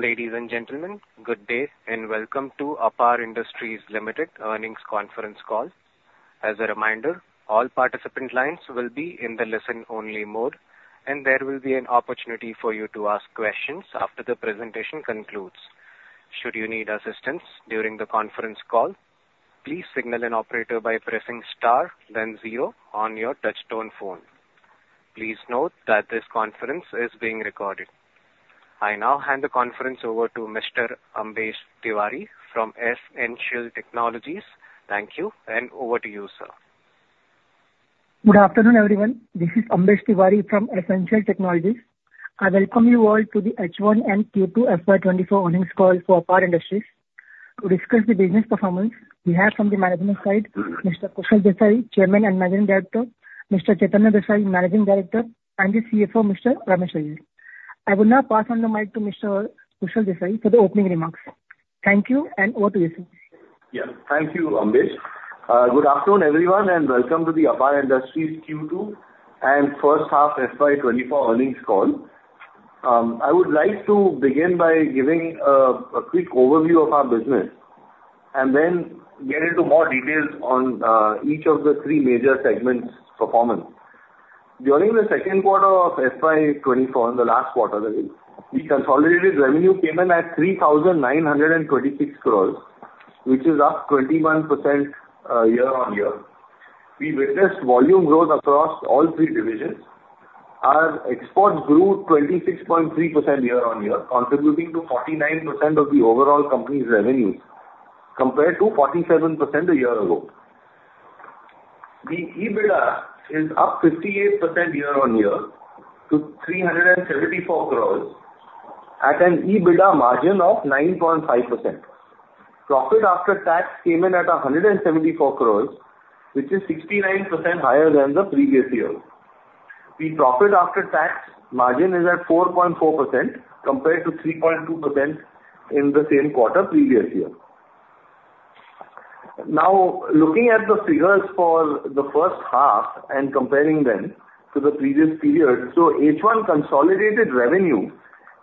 Ladies and gentlemen, good day, and welcome to APAR Industries Limited earnings conference call. As a reminder, all participant lines will be in the listen-only mode, and there will be an opportunity for you to ask questions after the presentation concludes. Should you need assistance during the conference call, please signal an operator by pressing star then zero on your touchtone phone. Please note that this conference is being recorded. I now hand the conference over to Mr. Ambesh Tiwari from S-Ancial Technologies. Thank you, and over to you, sir. Good afternoon, everyone. This is Ambesh Tiwari from S-Ancial Technologies. I welcome you all to the H1 and Q2 FY 2024 earnings call for APAR Industries. To discuss the business performance, we have from the management side, Mr. Kushal Desai, Chairman and Managing Director, Mr. Chaitanya Desai, Managing Director, and the CFO, Mr. Ramesh Iyer. I will now pass on the mic to Mr. Kushal Desai for the opening remarks. Thank you, and over to you, sir. Yeah. Thank you, Ambesh. Good afternoon, everyone, and welcome to the APAR Industries Q2 and first half FY 2024 earnings call. I would like to begin by giving a quick overview of our business, and then get into more details on each of the three major segments' performance. During the second quarter of FY 2024, in the last quarter that is, the consolidated revenue came in at 3,926 crore, which is up 21% year-on-year. We witnessed volume growth across all three divisions. Our exports grew 26.3% year-on-year, contributing to 49% of the overall company's revenues, compared to 47% a year ago. The EBITDA is up 58% year-on-year to 374 crore, at an EBITDA margin of 9.5%. Profit after tax came in at 174 crores, which is 69% higher than the previous year. The profit after tax margin is at 4.4%, compared to 3.2% in the same quarter previous year. Now, looking at the figures for the first half and comparing them to the previous period, so H1 consolidated revenue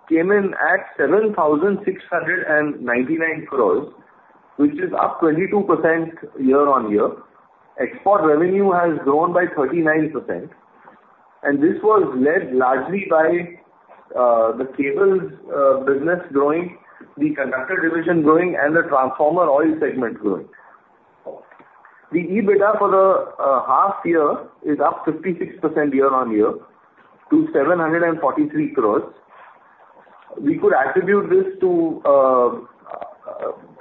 came in at 7,699 crores, which is up 22% year-on-year. Export revenue has grown by 39%, and this was led largely by the cables business growing, the conductor division growing, and the transformer oil segment growing. The EBITDA for the half year is up 56% year-on-year to 743 crores. We could attribute this to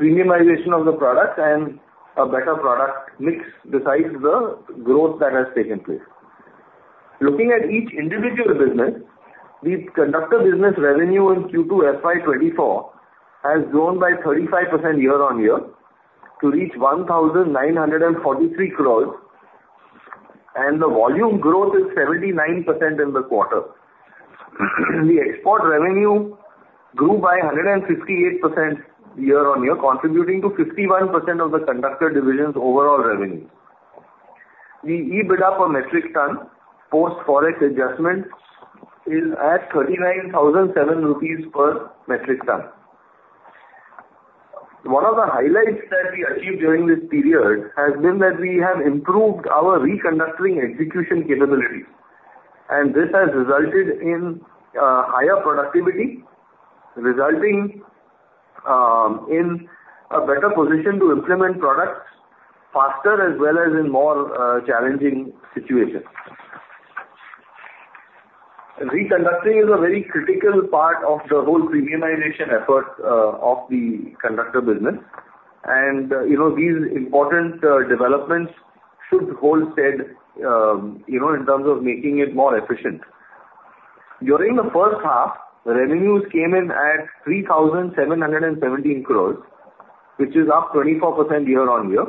premiumization of the products and a better product mix, besides the growth that has taken place. Looking at each individual business, the conductor business revenue in Q2 FY 2024 has grown by 35% year-on-year to reach 1,943 crore, and the volume growth is 79% in the quarter. The export revenue grew by 158% year-on-year, contributing to 51% of the conductor division's overall revenue. The EBITDA per metric ton, post-Forex adjustments, is at INR 39,700 per metric ton. One of the highlights that we achieved during this period has been that we have improved our reconductoring execution capabilities, and this has resulted in higher productivity, resulting in a better position to implement products faster as well as in more challenging situations. Reconductoring is a very critical part of the whole premiumization effort, of the conductor business, and, you know, these important developments should hold steady, you know, in terms of making it more efficient. During the first half, revenues came in at 3,717 crores, which is up 24% year-on-year.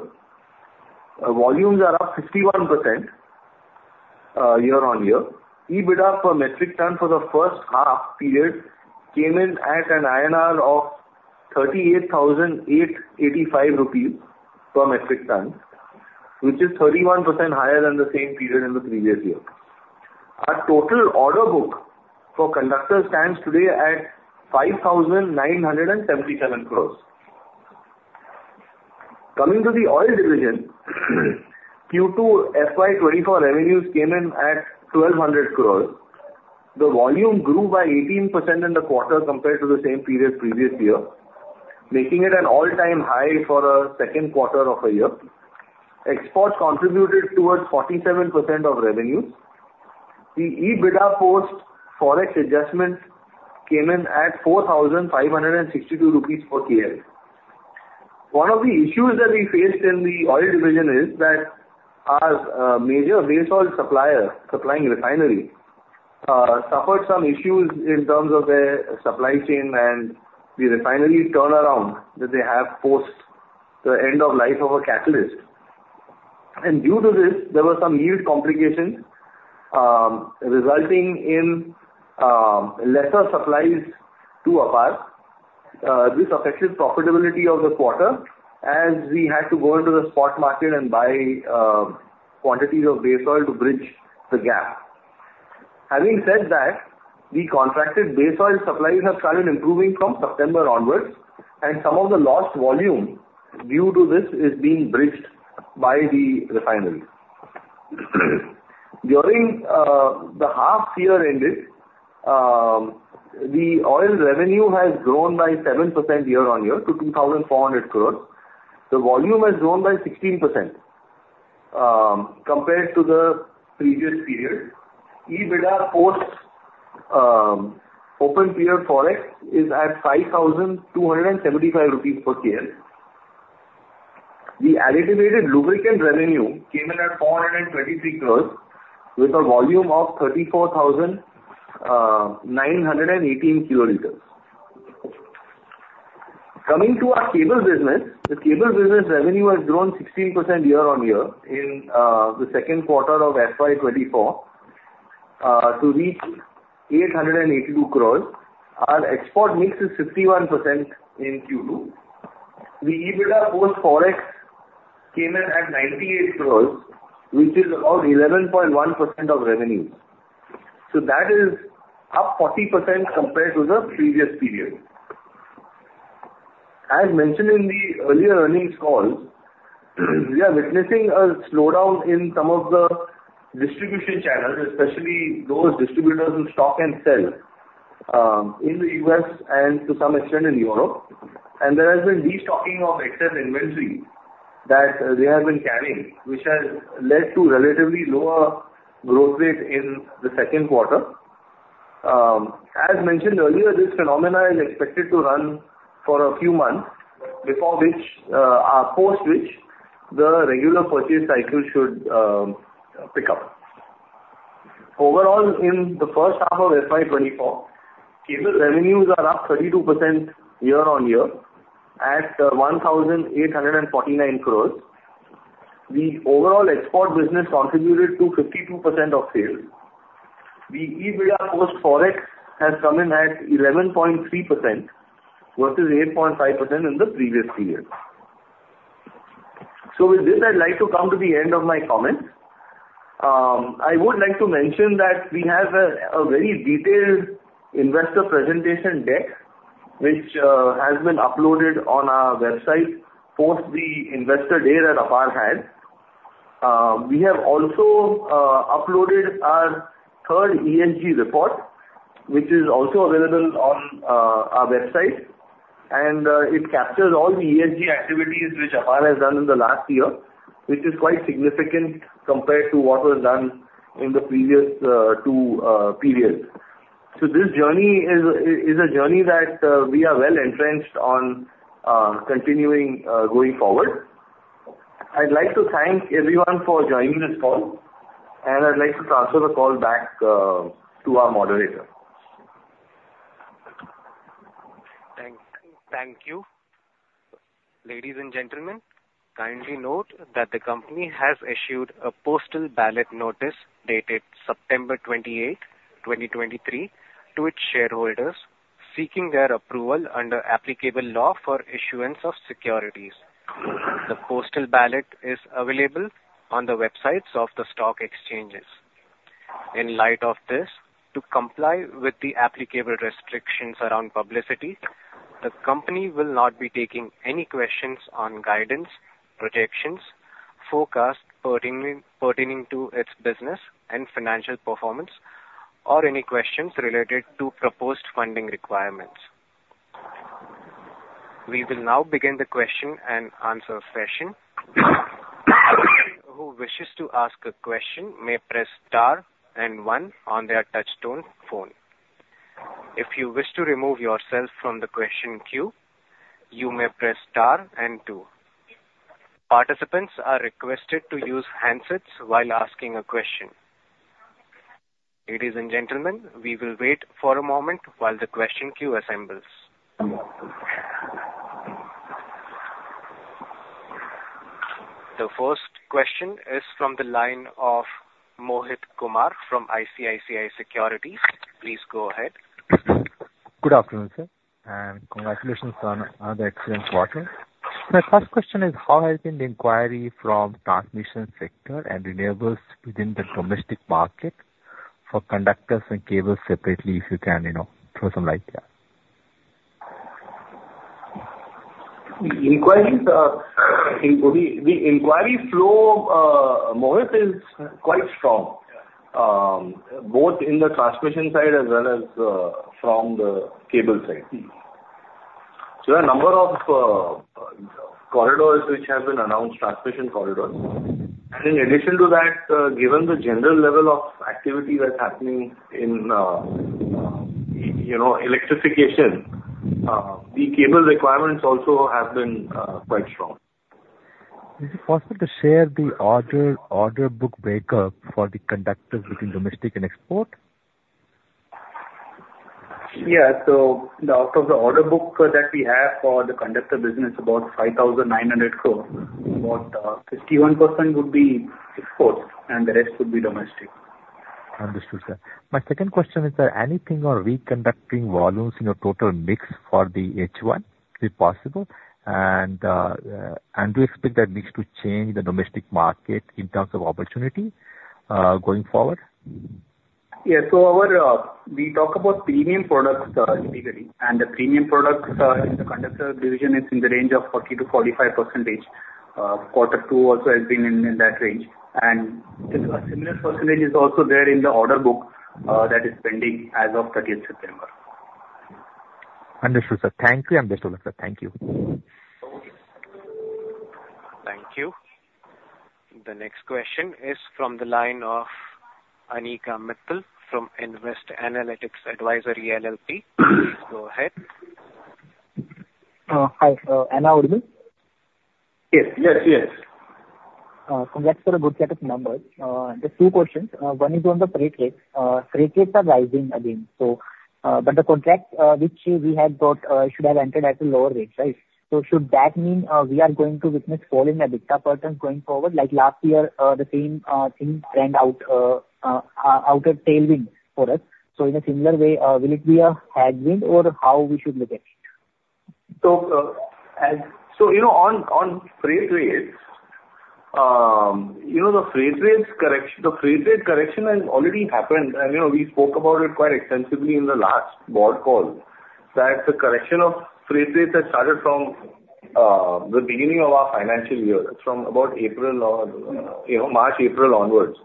Volumes are up 51%, year-on-year. EBITDA per metric ton for the first half period came in at an INR of 38,885 rupees per metric ton, which is 31% higher than the same period in the previous year. Our total order book for conductors stands today at 5,977 crores. Coming to the oil division, Q2 FY 2024 revenues came in at 1,200 crores. The volume grew by 18% in the quarter compared to the same period previous year, making it an all-time high for a second quarter of a year. Exports contributed towards 47% of revenue. The EBITDA post-Forex adjustments came in at 4,562 rupees per TL. One of the issues that we faced in the oil division is that our major base oil supplier, supplying refinery, suffered some issues in terms of their supply chain and the refinery turnaround that they have post the end of life of a catalyst. And due to this, there were some yield complications, resulting in lesser supplies to APAR. This affected profitability of the quarter, as we had to go into the spot market and buy quantities of base oil to bridge the gap. Having said that, the contracted base oil supplies have started improving from September onwards, and some of the lost volume due to this is being bridged by the refineries. During the half year ended, the oil revenue has grown by 7% year-on-year to 2,400 crore. The volume has grown by 16% compared to the previous period. EBITDA post open period Forex is at 5,275 rupees per share. The aggregated lubricant revenue came in at 423 crore, with a volume of 34,918 kiloliters. Coming to our cable business, the cable business revenue has grown 16% year-on-year in the second quarter of FY 2024 to reach 882 crore. Our export mix is 51% in Q2. The EBITDA post-Forex came in at 98 crores, which is about 11.1% of revenue. So that is up 40% compared to the previous period. As mentioned in the earlier earnings call, we are witnessing a slowdown in some of the distribution channels, especially those distributors who stock and sell in the U.S. and to some extent in Europe. There has been destocking of excess inventory that they have been carrying, which has led to relatively lower growth rate in the second quarter. As mentioned earlier, this phenomenon is expected to run for a few months, before which, post which, the regular purchase cycle should pick up. Overall, in the first half of FY 2024, cable revenues are up 32% year-on-year at 1,849 crores. The overall export business contributed to 52% of sales. The EBITDA post-Forex has come in at 11.3% versus 8.5% in the previous period. So with this, I'd like to come to the end of my comments. I would like to mention that we have a very detailed investor presentation deck, which has been uploaded on our website, post the Investor Day that APAR had. We have also uploaded our third ESG report, which is also available on our website, and it captures all the ESG activities which APAR has done in the last year, which is quite significant compared to what was done in the previous two periods. So this journey is a journey that we are well entrenched on, continuing going forward. I'd like to thank everyone for joining this call, and I'd like to transfer the call back to our moderator. Thank you. Ladies and gentlemen, kindly note that the company has issued a postal ballot notice dated September 28, 2023, to its shareholders, seeking their approval under applicable law for issuance of securities. The postal ballot is available on the websites of the stock exchanges. In light of this, to comply with the applicable restrictions around publicity, the company will not be taking any questions on guidance, projections, forecast, pertaining to its business and financial performance, or any questions related to proposed funding requirements. We will now begin the question and answer session. Who wishes to ask a question may press star and one on their touchtone phone. If you wish to remove yourself from the question queue, you may press star and two. Participants are requested to use handsets while asking a question. Ladies and gentlemen, we will wait for a moment while the question queue assembles. The first question is from the line of Mohit Kumar, from ICICI Securities. Please go ahead. Good afternoon, sir, and congratulations on the excellent quarter. My first question is: How has been the inquiry from transmission sector and renewables within the domestic market for conductors and cables separately, if you can, you know, throw some light there? The inquiries are, the inquiry flow, Mohit, is quite strong, both in the transmission side as well as from the cable side. So a number of corridors which have been announced, transmission corridors. And in addition to that, given the general level of activity that's happening in, you know, electrification, the cable requirements also have been quite strong. Is it possible to share the order, order book breakup for the conductors between domestic and export? Yeah. So out of the order book that we have for the conductor business, about 5,900 crore, about 51% would be exports and the rest would be domestic. Understood, sir. My second question is, is there anything on reconductoring volumes in your total mix for the H1, if possible? And do you expect that mix to change in the domestic market in terms of opportunity, going forward? Yes. So our we talk about premium products, typically, and the premium products in the Conductor division is in the range of 40%-45%. Quarter two also has been in that range, and a similar percentage is also there in the order book that is pending as of 30th September. Understood, sir. Thank you, and best of luck, sir. Thank you. Thank you. The next question is from the line of Anika Mittal from Nvest Analytics Advisory LLP. Please go ahead. Hi, I'm I audible? Yes. Yes, yes. Congrats for a good set of numbers. Just two questions. One is on the freight rates. Freight rates are rising again, so, but the contract, which we had got, should have entered at a lower rate, right? So should that mean, we are going to witness fall in EBITDA % going forward, like last year, the same thing turned out a tailwind for us. So in a similar way, will it be a headwind or how we should look at it? So, you know, on freight rates, you know, the freight rates correction, the freight rate correction has already happened, and, you know, we spoke about it quite extensively in the last board call. That the correction of freight rates has started from the beginning of our financial year, from about April or, you know, March, April onwards.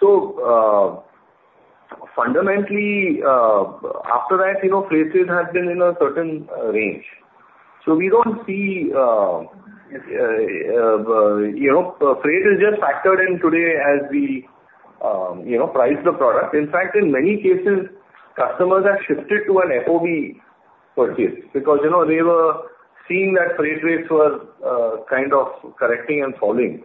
So, fundamentally, after that, you know, freight rates have been in a certain range. So we don't see, you know, freight is just factored in today as we, you know, price the product. In fact, in many cases, customers have shifted to an FOB purchase, because, you know, they were seeing that freight rates were kind of correcting and falling.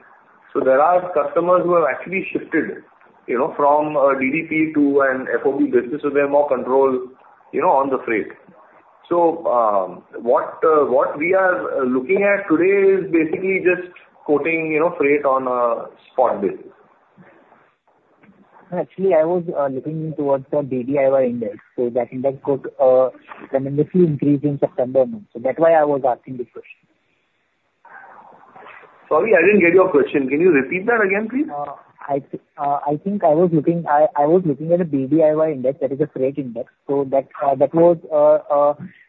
There are customers who have actually shifted, you know, from a DDP to an FOB business, so they have more control, you know, on the freight. What we are looking at today is basically just quoting, you know, freight on a spot basis. Actually, I was looking towards the BDI, so that index could significantly increase in September month. So that's why I was asking this question. Sorry, I didn't get your question. Can you repeat that again, please? I think I was looking at the BDI, that is a freight index. So that was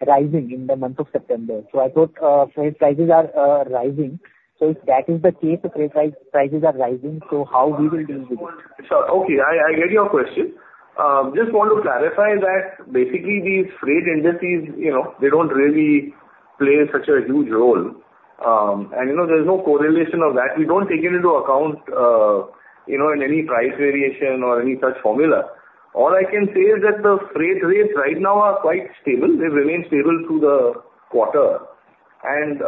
rising in the month of September. So I thought, freight prices are rising. So if that is the case, the freight prices are rising, so how will we deal with it? So, okay, I get your question. Just want to clarify that basically these freight indices, you know, they don't really play such a huge role. And, you know, there's no correlation of that. We don't take it into account, you know, in any price variation or any such formula. All I can say is that the freight rates right now are quite stable. They've remained stable through the quarter. And,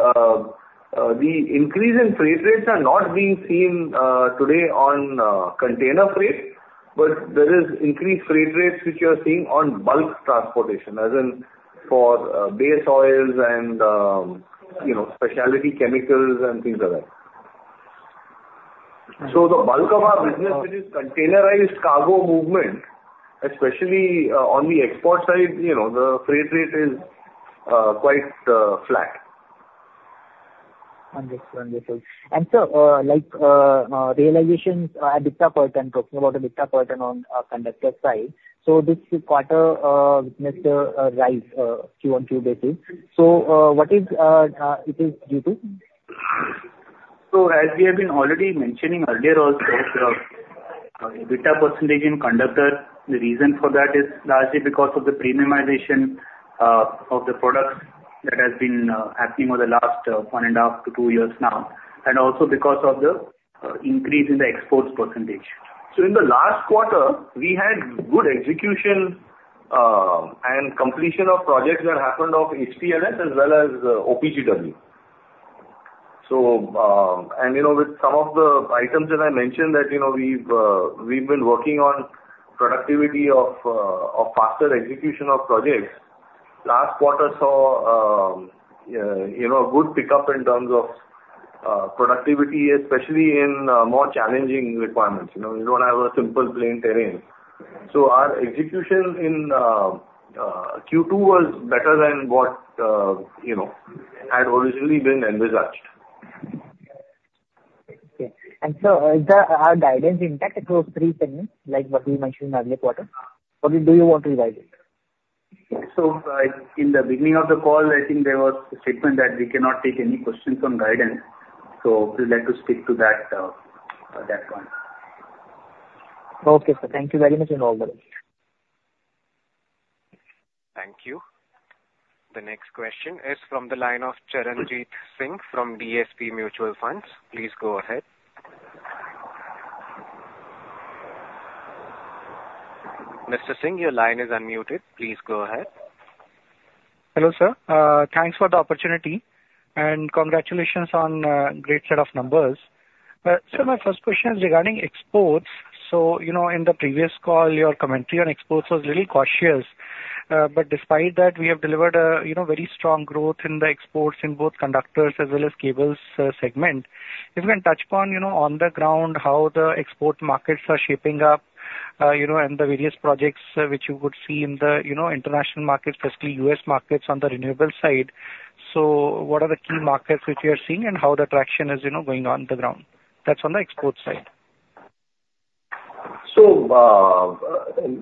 the increase in freight rates are not being seen, today on container freight, but there is increased freight rates which you are seeing on bulk transportation, as in for base oils and, you know, specialty chemicals and things like that. So the bulk of our business, which is containerized cargo movement, especially on the export side, you know, the freight rate is quite flat. Understood, understood. And sir, like realizations, EBITDA percent, talking about the EBITDA percent on the conductor side, so this quarter witnessed a rise on a Q-on-Q basis. So, what is it due to? So as we have been already mentioning earlier also, EBITDA percentage in conductors, the reason for that is largely because of the premiumization of the products that has been happening over the last 1.5-2 years now, and also because of the increase in the exports percentage. So in the last quarter, we had good execution and completion of projects that happened of HTLS as well as OPGW. So, and, you know, with some of the items that I mentioned that, you know, we've been working on productivity of faster execution of projects. Last quarter saw, you know, good pickup in terms of productivity, especially in more challenging requirements. You know, we don't have a simple plain terrain. Our execution in Q2 was better than what you know had originally been envisaged. Okay. And sir, is our guidance intact? It was 3%, like what we mentioned in earlier quarter, or do you want to revise it? So, in the beginning of the call, I think there was a statement that we cannot take any questions on guidance, so we'd like to stick to that, that one. Okay, sir. Thank you very much, and all the best. Thank you. The next question is from the line of Charanjit Singh from DSP Mutual Funds. Please go ahead. Mr. Singh, your line is unmuted. Please go ahead. Hello, sir. Thanks for the opportunity, and congratulations on great set of numbers. So my first question is regarding exports. So, you know, in the previous call, your commentary on exports was really cautious.… but despite that, we have delivered a, you know, very strong growth in the exports in both conductors as well as cables, segment. If you can touch upon, you know, on the ground, how the export markets are shaping up, you know, and the various projects which you would see in the, you know, international markets, especially U.S. markets on the renewable side. So what are the key markets which you are seeing and how the traction is, you know, going on the ground? That's on the export side. So,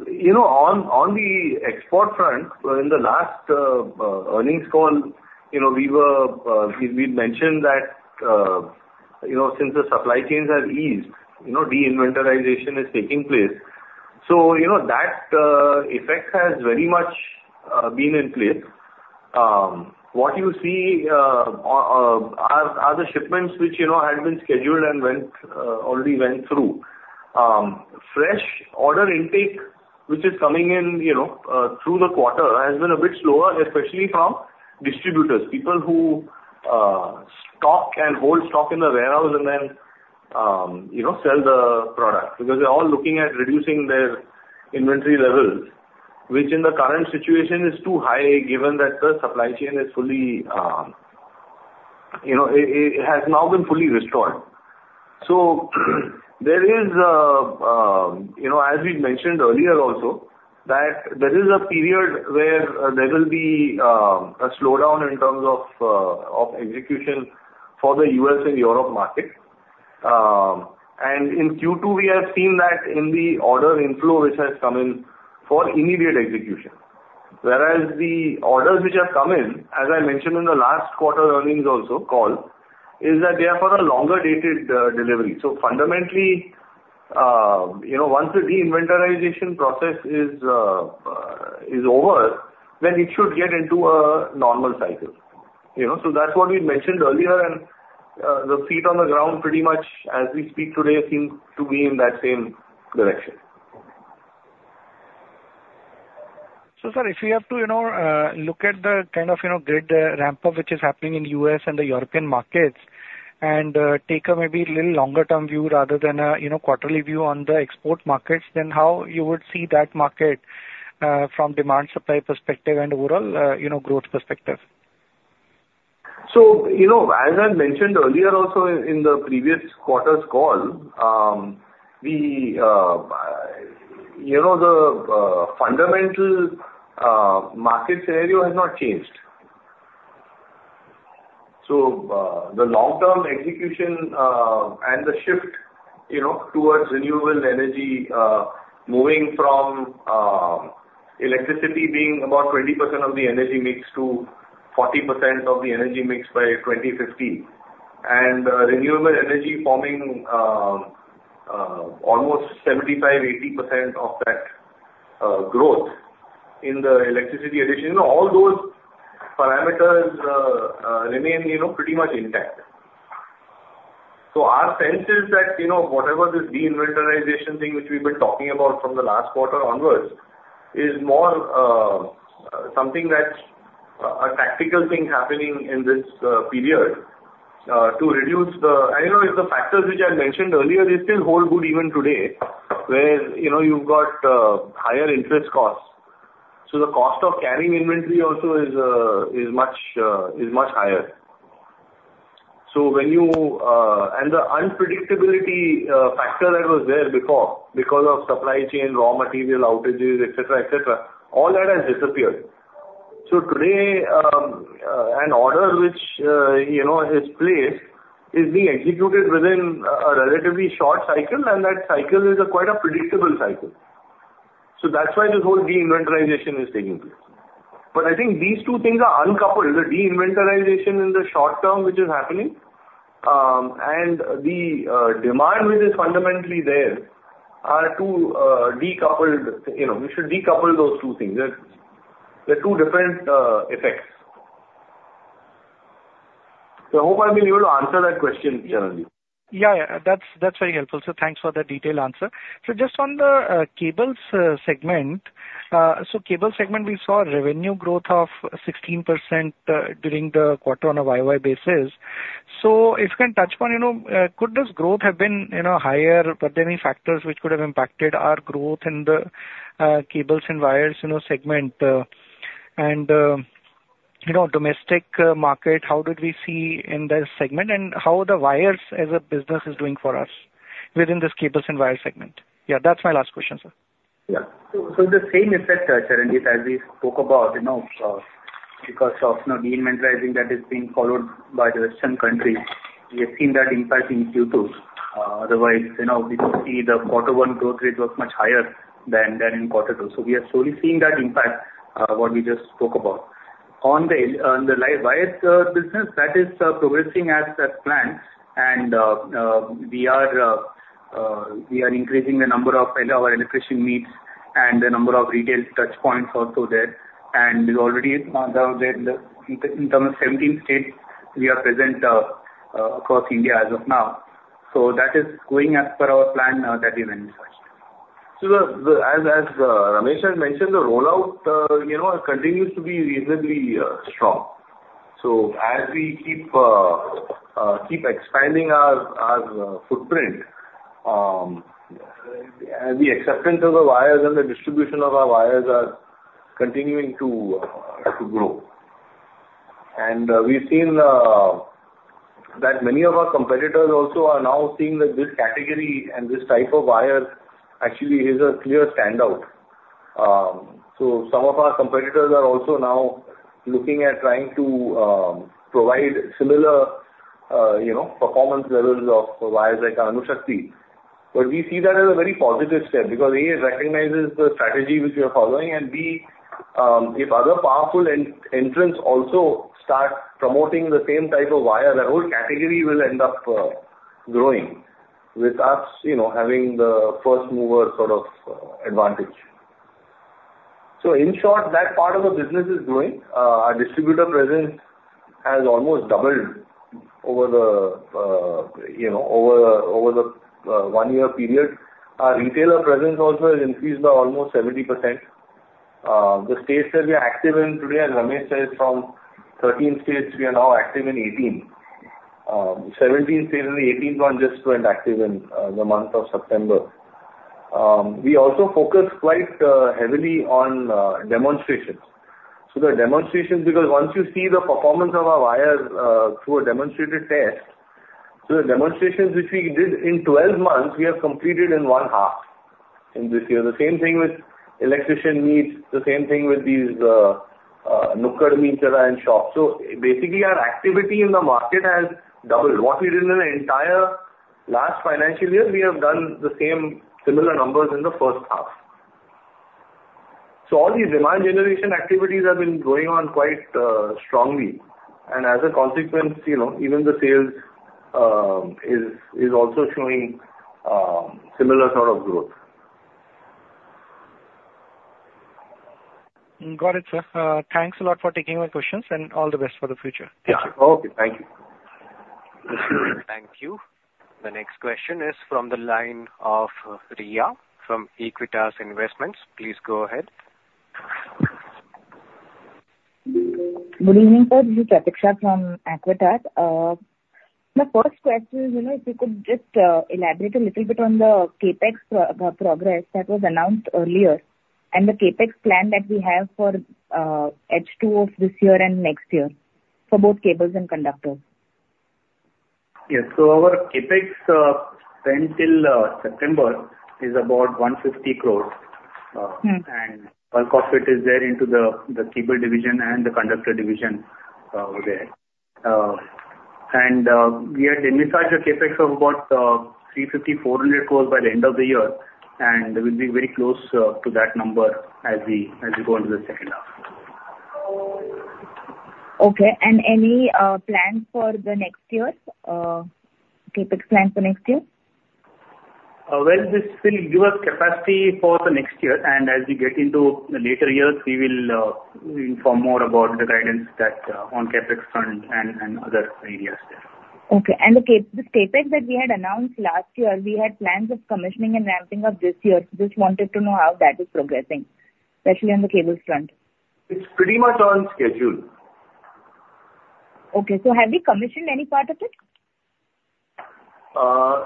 you know, on the export front, in the last earnings call, you know, we were, we mentioned that, you know, since the supply chains have eased, you know, de-inventorization is taking place. So, you know, that effect has very much been in place. What you see are the shipments which, you know, had been scheduled and already went through. Fresh order intake, which is coming in, you know, through the quarter, has been a bit slower, especially from distributors. People who stock and hold stock in the warehouse and then, you know, sell the product. Because they're all looking at reducing their inventory levels, which in the current situation is too high, given that the supply chain is fully, you know, it has now been fully restored. So there is a, you know, as we mentioned earlier also, that there is a period where, there will be, a slowdown in terms of execution for the U.S. and Europe markets. And in Q2, we have seen that in the order inflow, which has come in for immediate execution. Whereas the orders which have come in, as I mentioned in the last quarter earnings also, call, is that they are for a longer dated, delivery. So fundamentally, you know, once the de-inventorization process is over, then it should get into a normal cycle, you know. So that's what we mentioned earlier, and, the feet on the ground, pretty much as we speak today, seem to be in that same direction. So, sir, if you have to, you know, look at the kind of, you know, grid, ramp-up, which is happening in the U.S. and the European markets, and take a maybe little longer term view rather than a, you know, quarterly view on the export markets, then how you would see that market, from demand-supply perspective and overall, you know, growth perspective? So, you know, as I mentioned earlier also in the previous quarter's call, we, you know, the fundamental market scenario has not changed. So, the long-term execution and the shift, you know, towards renewable energy, moving from electricity being about 20% of the energy mix to 40% of the energy mix by 2050. And, renewable energy forming almost 75%-80% of that growth in the electricity addition. You know, all those parameters remain, you know, pretty much intact. So our sense is that, you know, whatever this de-inventorization thing which we've been talking about from the last quarter onwards, is more something that's a tactical thing happening in this period to reduce the... You know, the factors which I mentioned earlier, they still hold good even today, where, you know, you've got higher interest costs. So the cost of carrying inventory also is much higher. So when you... And the unpredictability factor that was there before, because of supply chain, raw material outages, et cetera, et cetera, all that has disappeared. So today, an order which, you know, is placed, is being executed within a relatively short cycle, and that cycle is quite a predictable cycle. So that's why this whole de-inventorization is taking place. But I think these two things are uncoupled. The de-inventorization in the short term, which is happening, and the demand, which is fundamentally there, are two decoupled, you know, you should decouple those two things. They're two different effects. I hope I've been able to answer that question, Charanjit. Yeah, yeah, that's, that's very helpful. So thanks for the detailed answer. So just on the cables segment. So cable segment, we saw revenue growth of 16% during the quarter on a YY basis. So if you can touch upon, you know, could this growth have been, you know, higher? Were there any factors which could have impacted our growth in the cables and wires, you know, segment? And, you know, domestic market, how did we see in this segment? And how the wires as a business is doing for us within this cables and wire segment? Yeah, that's my last question, sir. Yeah. So the same effect, Charanjit, as we spoke about, you know, because of, you know, de-inventorying that is being followed by the Western countries, we have seen that impact in Q2. Otherwise, you know, we see the quarter one growth rate was much higher than in quarter two. So we are slowly seeing that impact, what we just spoke about. On the wires business, that is progressing as planned. And we are increasing the number of our electrician meets and the number of retail touchpoints also there. And we already in terms of 17 states, we are present across India as of now. So that is going as per our plan, that we went first. So, as Ramesh has mentioned, the rollout, you know, continues to be reasonably strong. So as we keep expanding our footprint, and the acceptance of the wires and the distribution of our wires are continuing to grow. And we've seen that many of our competitors also are now seeing that this category and this type of wire actually is a clear standout. So some of our competitors are also now looking at trying to provide similar, you know, performance levels of wires like Anushakti. But we see that as a very positive step, because, A, it recognizes the strategy which we are following, and B, if other powerful entrants also start promoting the same type of wire, the whole category will end up, growing, with us, you know, having the first mover sort of, advantage. So in short, that part of the business is growing. Our distributor presence has almost doubled over the, you know, over, over the, one-year period. Our retailer presence also has increased by almost 70%. The states that we are active in today, as Ramesh said, from 13 states, we are now active in 18. 17 states, and the 18th one just went active in, the month of September. We also focus quite, heavily on, demonstrations. So the demonstrations, because once you see the performance of our wires through a demonstrated test, so the demonstrations which we did in 12 months, we have completed in one half in this year. The same thing with electrician meets, the same thing with these and shops. So basically, our activity in the market has doubled. What we did in the entire last financial year, we have done the same similar numbers in the first half. So all these demand generation activities have been going on quite strongly, and as a consequence, you know, even the sales is also showing similar sort of growth. Got it, sir. Thanks a lot for taking my questions, and all the best for the future. Thank you. Yeah. Okay, thank you. Thank you. The next question is from the line of Riya from Aequitas Investments. Please go ahead. Good evening, sir. This is Pratiksha from Aequitas. My first question is, you know, if you could just elaborate a little bit on the CapEx progress that was announced earlier, and the CapEx plan that we have for H2 of this year and next year, for both cables and conductors. Yes. So our CapEx spent till September is about 150 crores. Mm-hmm. Bulk of it is there into the cable division and the conductor division, over there. We had envisaged a CapEx of about 350 crores-400 crores by the end of the year, and we will be very close to that number as we go into the second half. Okay. And any plans for the next year, CapEx plans for next year? Well, this will give us capacity for the next year, and as we get into the later years, we will inform more about the guidance that on CapEx front and other areas there. Okay. And this CapEx that we had announced last year, we had plans of commissioning and ramping up this year. Just wanted to know how that is progressing, especially on the cables front. It's pretty much on schedule. Okay. So have you commissioned any part of it?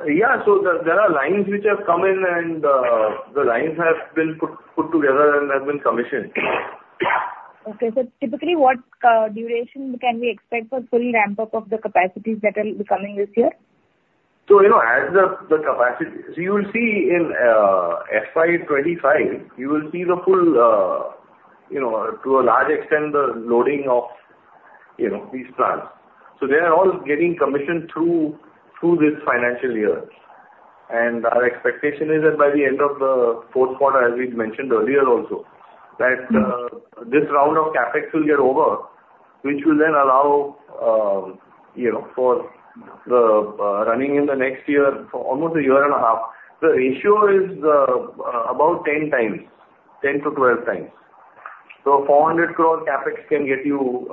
Yeah. So there are lines which have come in, and the lines have been put together and have been commissioned. Okay. So typically, what duration can we expect for full ramp-up of the capacities that will be coming this year? So, you know, as the capacity... So you will see in FY 2025, you will see the full, you know, to a large extent, the loading of, you know, these plans. So they are all getting commissioned through this financial year. And our expectation is that by the end of the fourth quarter, as we'd mentioned earlier also, that- Mm-hmm... this round of CapEx will get over, which will then allow, you know, for the, running in the next year, for almost a year and a half. The ratio is, about 10 times, 10-12 times. So 400 crore CapEx can get you,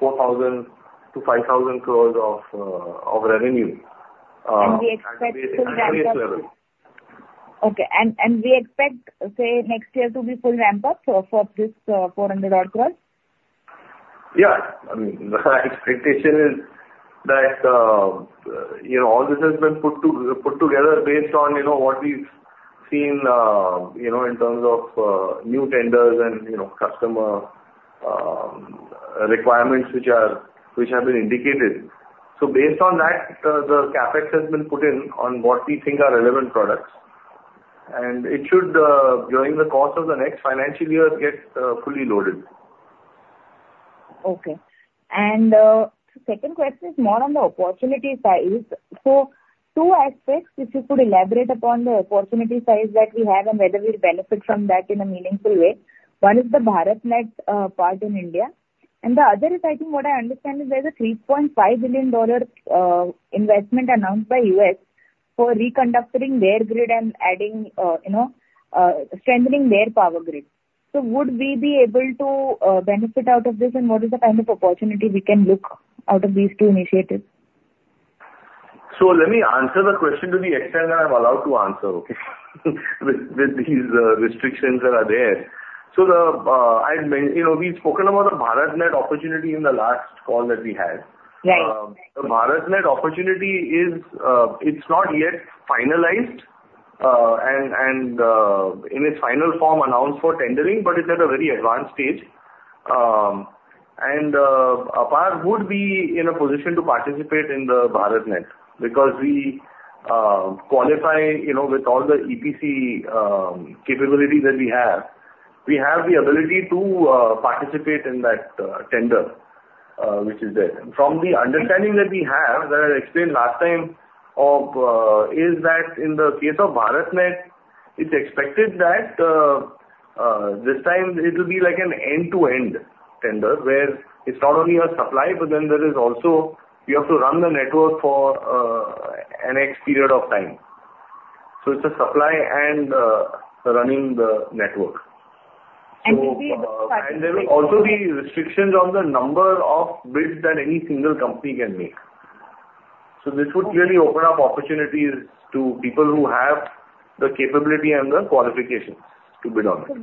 4,000 crore-5,000 crore of, of revenue, at the current level. We expect full ramp-up? Okay. We expect, say, next year to be full ramp-up for this 400-odd crore? Yeah. I mean, the expectation is that, you know, all this has been put together based on, you know, what we've seen, you know, in terms of new tenders and, you know, customer requirements, which are, which have been indicated. So based on that, the CapEx has been put in on what we think are relevant products. And it should, during the course of the next financial year, get fully loaded. Okay. And, the second question is more on the opportunity side. So two aspects, if you could elaborate upon the opportunity side that we have, and whether we'll benefit from that in a meaningful way. One is the BharatNet, part in India, and the other is, I think what I understand is there's a $3.5 billion investment announced by U.S. for reconductoring their grid and adding, you know, strengthening their power grid. So would we be able to, benefit out of this? And what is the kind of opportunity we can look out of these two initiatives? ...So let me answer the question to the extent that I'm allowed to answer, okay, with these restrictions that are there. So, I mean, you know, we've spoken about the BharatNet opportunity in the last call that we had. Right. The BharatNet opportunity is, it's not yet finalized, and, and, in its final form announced for tendering, but it's at a very advanced stage. APAR would be in a position to participate in the BharatNet because we qualify, you know, with all the EPC capability that we have. We have the ability to participate in that tender which is there. From the understanding that we have, that I explained last time, of is that in the case of BharatNet, it's expected that this time it will be like an end-to-end tender, where it's not only a supply, but then there is also, you have to run the network for an X period of time. So it's a supply and running the network. And would we- So, and there will also be restrictions on the number of bids that any single company can make. So this would clearly open up opportunities to people who have the capability and the qualifications to bid on it. So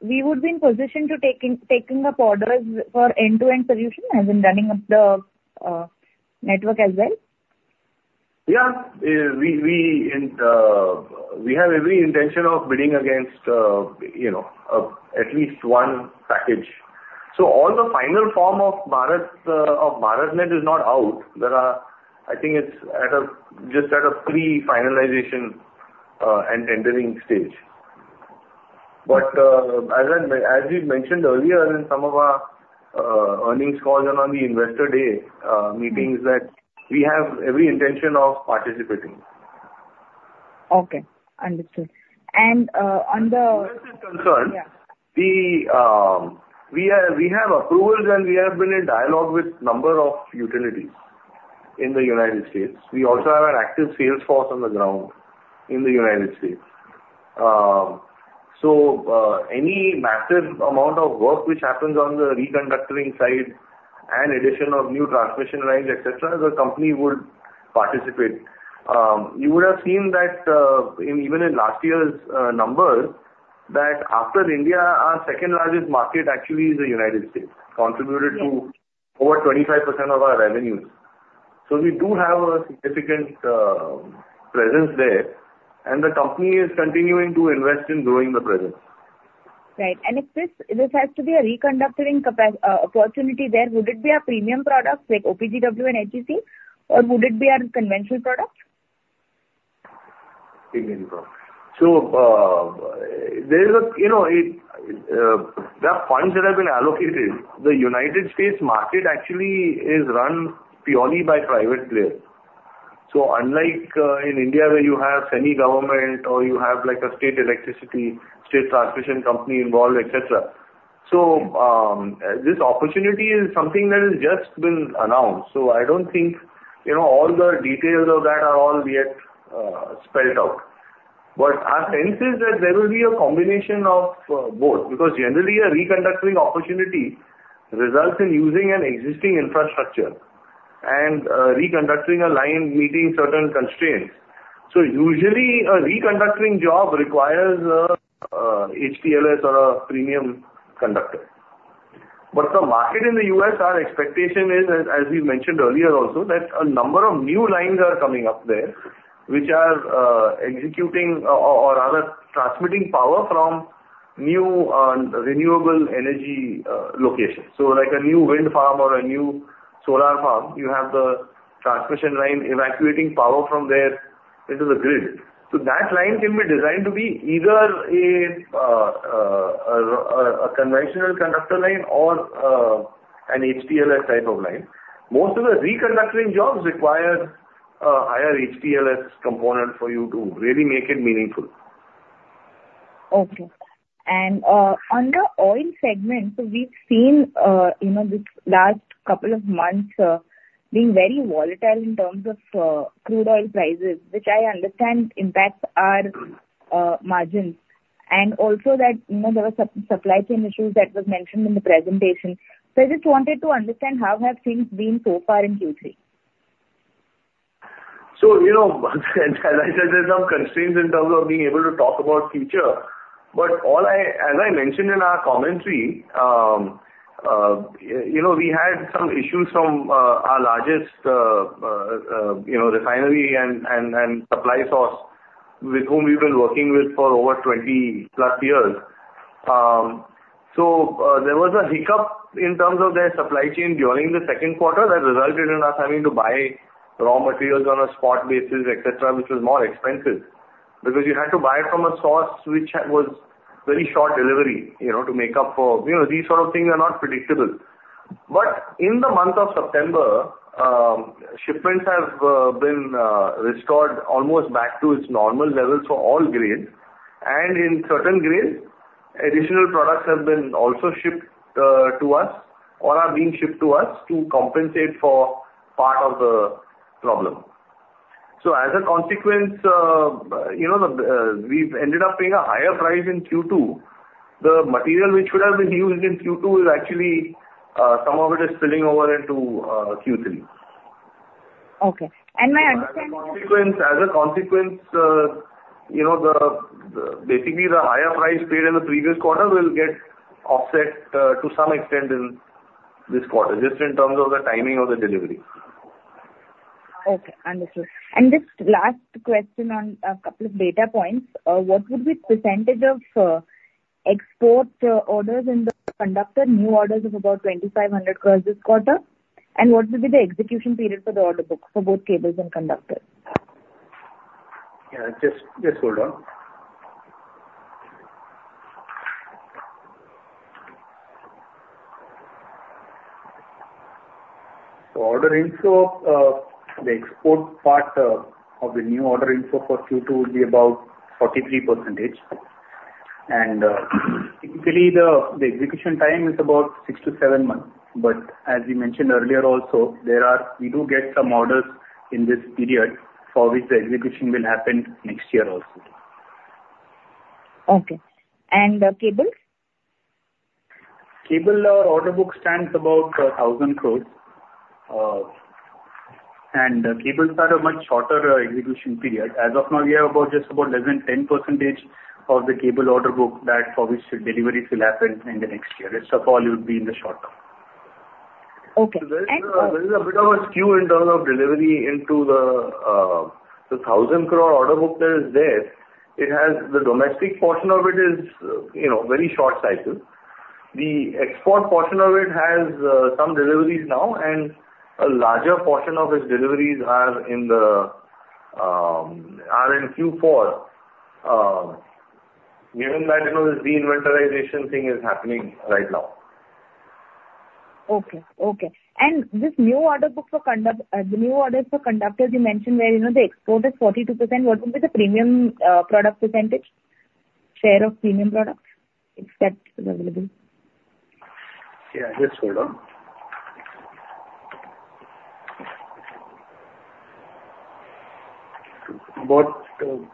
we would be in position to taking up orders for end-to-end solution as in running up the network as well? Yeah. We have every intention of bidding against, you know, at least one package. So all the final form of BharatNet is not out. There are, I think it's just at a pre-finalization and tendering stage. But as we mentioned earlier in some of our earnings calls and on the Investor Day meetings, that we have every intention of participating. Okay. Understood. And, on the- As we're concerned- Yeah. We have approvals, and we have been in dialogue with number of utilities in the United States. We also have an active sales force on the ground in the United States. So, any massive amount of work which happens on the reconductoring side and addition of new transmission lines, et cetera, the company would participate. You would have seen that, in even last year's numbers, that after India, our second largest market actually is the United States, contributed to- Yeah. -over 25% of our revenues. So we do have a significant presence there, and the company is continuing to invest in growing the presence. Right. And if this, this has to be a reconductoring opportunity there, would it be a premium product like OPGW and HTLS, or would it be our conventional product? So, you know, the funds that have been allocated, the United States market actually is run purely by private players. So unlike in India, where you have semi-government or you have, like, a state electricity, state transmission company involved, et cetera. So, this opportunity is something that has just been announced, so I don't think, you know, all the details of that are all yet spelled out. But our sense is that there will be a combination of both, because generally a reconductoring opportunity results in using an existing infrastructure and reconductoring a line meeting certain constraints. So usually a reconductoring job requires a HTLS or a premium conductor. But the market in the U.S., our expectation is, as we mentioned earlier also, that a number of new lines are coming up there, which are executing or rather transmitting power from new renewable energy locations. So like a new wind farm or a new solar farm, you have the transmission line evacuating power from there into the grid. So that line can be designed to be either a conventional conductor line or an HTLS type of line. Most of the reconductoring jobs require a higher HTLS component for you to really make it meaningful. Okay. And on the oil segment, so we've seen, you know, this last couple of months, being very volatile in terms of, crude oil prices, which I understand impacts our, margins, and also that, you know, there were supply chain issues that was mentioned in the presentation. So I just wanted to understand how have things been so far in Q3? So, you know, as I said, there's some constraints in terms of being able to talk about future. But as I mentioned in our commentary, you know, we had some issues from our largest, you know, refinery and supply source, with whom we've been working with for over 20+ years. So, there was a hiccup in terms of their supply chain during the second quarter that resulted in us having to buy raw materials on a spot basis, et cetera, which was more expensive. Because you had to buy it from a source which was very short delivery, you know, to make up for, you know, these sort of things are not predictable. But in the month of September, shipments have been restored almost back to its normal levels for all grades. And in certain grades, additional products have been also shipped to us or are being shipped to us, to compensate for part of the problem. So as a consequence, you know, we ended up paying a higher price in Q2. The material which should have been used in Q2 is actually some of it is spilling over into Q3. Okay. And may I ask- As a consequence, as a consequence, you know, the, basically, the higher price paid in the previous quarter will get offset, to some extent in this quarter, just in terms of the timing of the delivery. Okay, understood. Just last question on a couple of data points. What would be the percentage of export orders in the conductor new orders of about 2,500 crore this quarter? And what will be the execution period for the order book for both cables and conductors? Yeah, just, just hold on. So order inflow, the export part, of the new order inflow for Q2 will be about 43%. And, typically, the execution time is about six to seven months. But as we mentioned earlier also, there are—we do get some orders in this period for which the execution will happen next year also. Okay. And the cables? Cable order book stands about 1,000 crore. Cables are a much shorter execution period. As of now, we have about, just about less than 10% of the cable order book that for which the deliveries will happen in the next year. Rest of all will be in the short term. Okay. And- There is a bit of a skew in terms of delivery into the 1,000 crore order book that is there. It has, the domestic portion of it is, you know, very short cycle. The export portion of it has some deliveries now, and a larger portion of its deliveries are in Q4, given that, you know, this de-inventorization thing is happening right now. Okay. Okay. And this new order book for conductors, the new order for conductors, you mentioned where, you know, the export is 42%. What would be the premium product percentage, share of premium products, if that is available? Yeah, just hold on. About the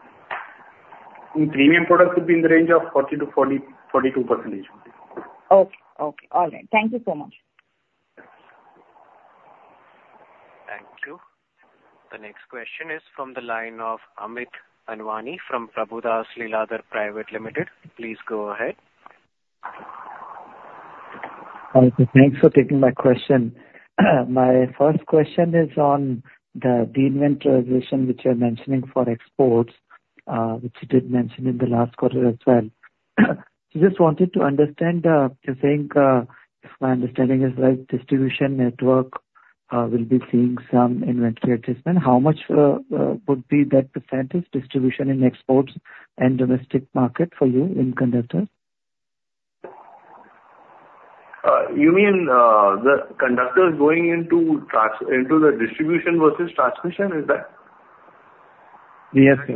premium products would be in the range of 40%-42%. Okay. Okay. All right. Thank you so much. Thank you. The next question is from the line of Amit Anwani from Prabhudas Lilladher Private Limited. Please go ahead. Okay, thanks for taking my question. My first question is on the de-inventorization, which you're mentioning for exports, which you did mention in the last quarter as well. So just wanted to understand, you think, if my understanding is right, distribution network will be seeing some inventory adjustment. How much would be that percentage distribution in exports and domestic market for you in conductors? You mean, the conductors going into the distribution versus transmission, is that? Yes, sir.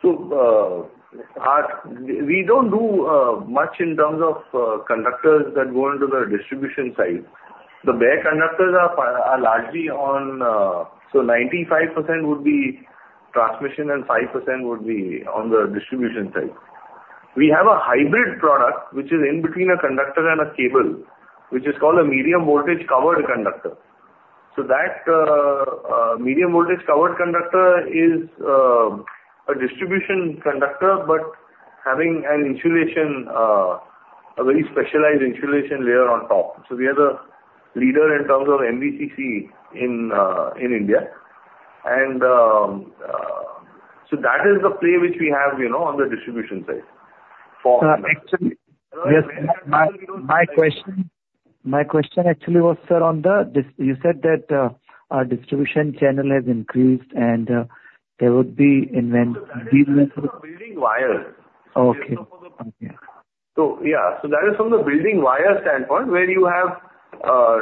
So, we don't do much in terms of conductors that go into the distribution side. The bare conductors are largely on. So 95% would be transmission and 5% would be on the distribution side. We have a hybrid product, which is in between a conductor and a cable, which is called a Medium Voltage Covered Conductor. So that Medium Voltage Covered Conductor is a distribution conductor, but having an insulation, a very specialized insulation layer on top. So we are the leader in terms of MVCC in India. So that is the play which we have, you know, on the distribution side for- Actually, yes, my question actually was, sir. You said that our distribution channel has increased and there would be invent- That is from the building wire. Okay. Yeah. So yeah, so that is from the building wire standpoint, where you have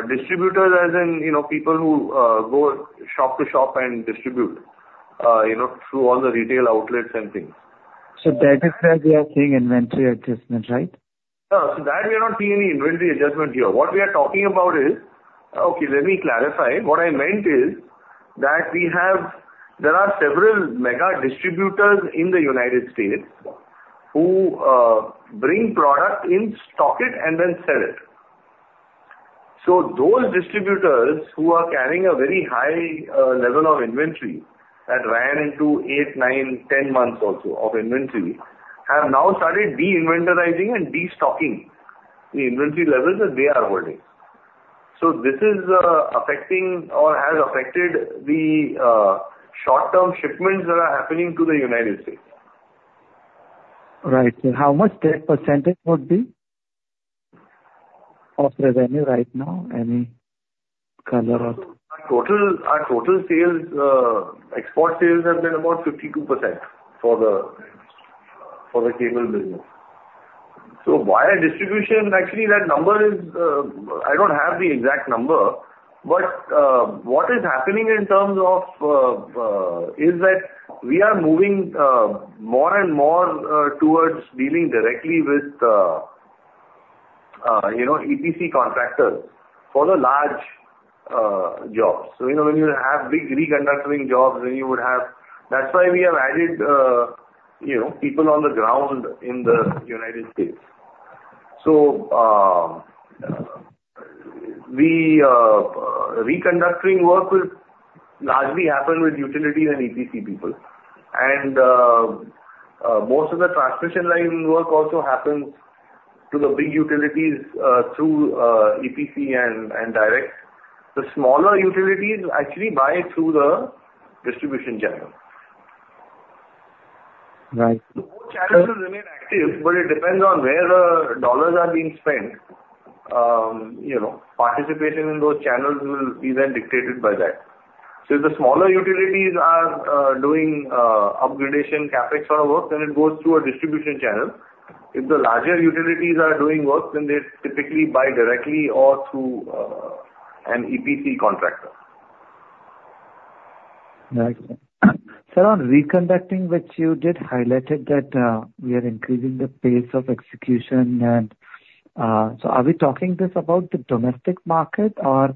distributors, as in, you know, people who go shop to shop and distribute, you know, through all the retail outlets and things. That is where we are seeing inventory adjustment, right? No. So that we are not seeing any inventory adjustment here. What we are talking about is... Okay, let me clarify. What I meant is, that we have—there are several mega distributors in the United States who bring product in, stock it, and then sell it. So those distributors who are carrying a very high level of inventory that ran into eight, nine, 10 months or so of inventory, have now started de-inventorizing and de-stocking the inventory levels that they are holding. So this is affecting or has affected the short-term shipments that are happening to the United States. Right. So how much that percentage would be of the revenue right now? Any color of- Our total, our total sales, export sales have been about 52% for the, for the cable business. So wire distribution, actually, that number is, I don't have the exact number, but, what is happening in terms of, is that we are moving, more and more, towards dealing directly with you know, EPC contractors for the large, jobs. So, you know, when you have big reconductoring jobs, then you would have. That's why we have added, you know, people on the ground in the United States. So, the, reconductoring work will largely happen with utility and EPC people. And, most of the transmission line work also happens to the big utilities, through, EPC and, and direct. The smaller utilities actually buy through the distribution channel. Right. So both channels will remain active, but it depends on where the dollars are being spent. You know, participation in those channels will be then dictated by that. So if the smaller utilities are doing upgradation CapEx sort of work, then it goes through a distribution channel. If the larger utilities are doing work, then they typically buy directly or through an EPC contractor. Right. Sir, on reconductoring, which you did highlighted that, we are increasing the pace of execution and. So are we talking this about the domestic market, or,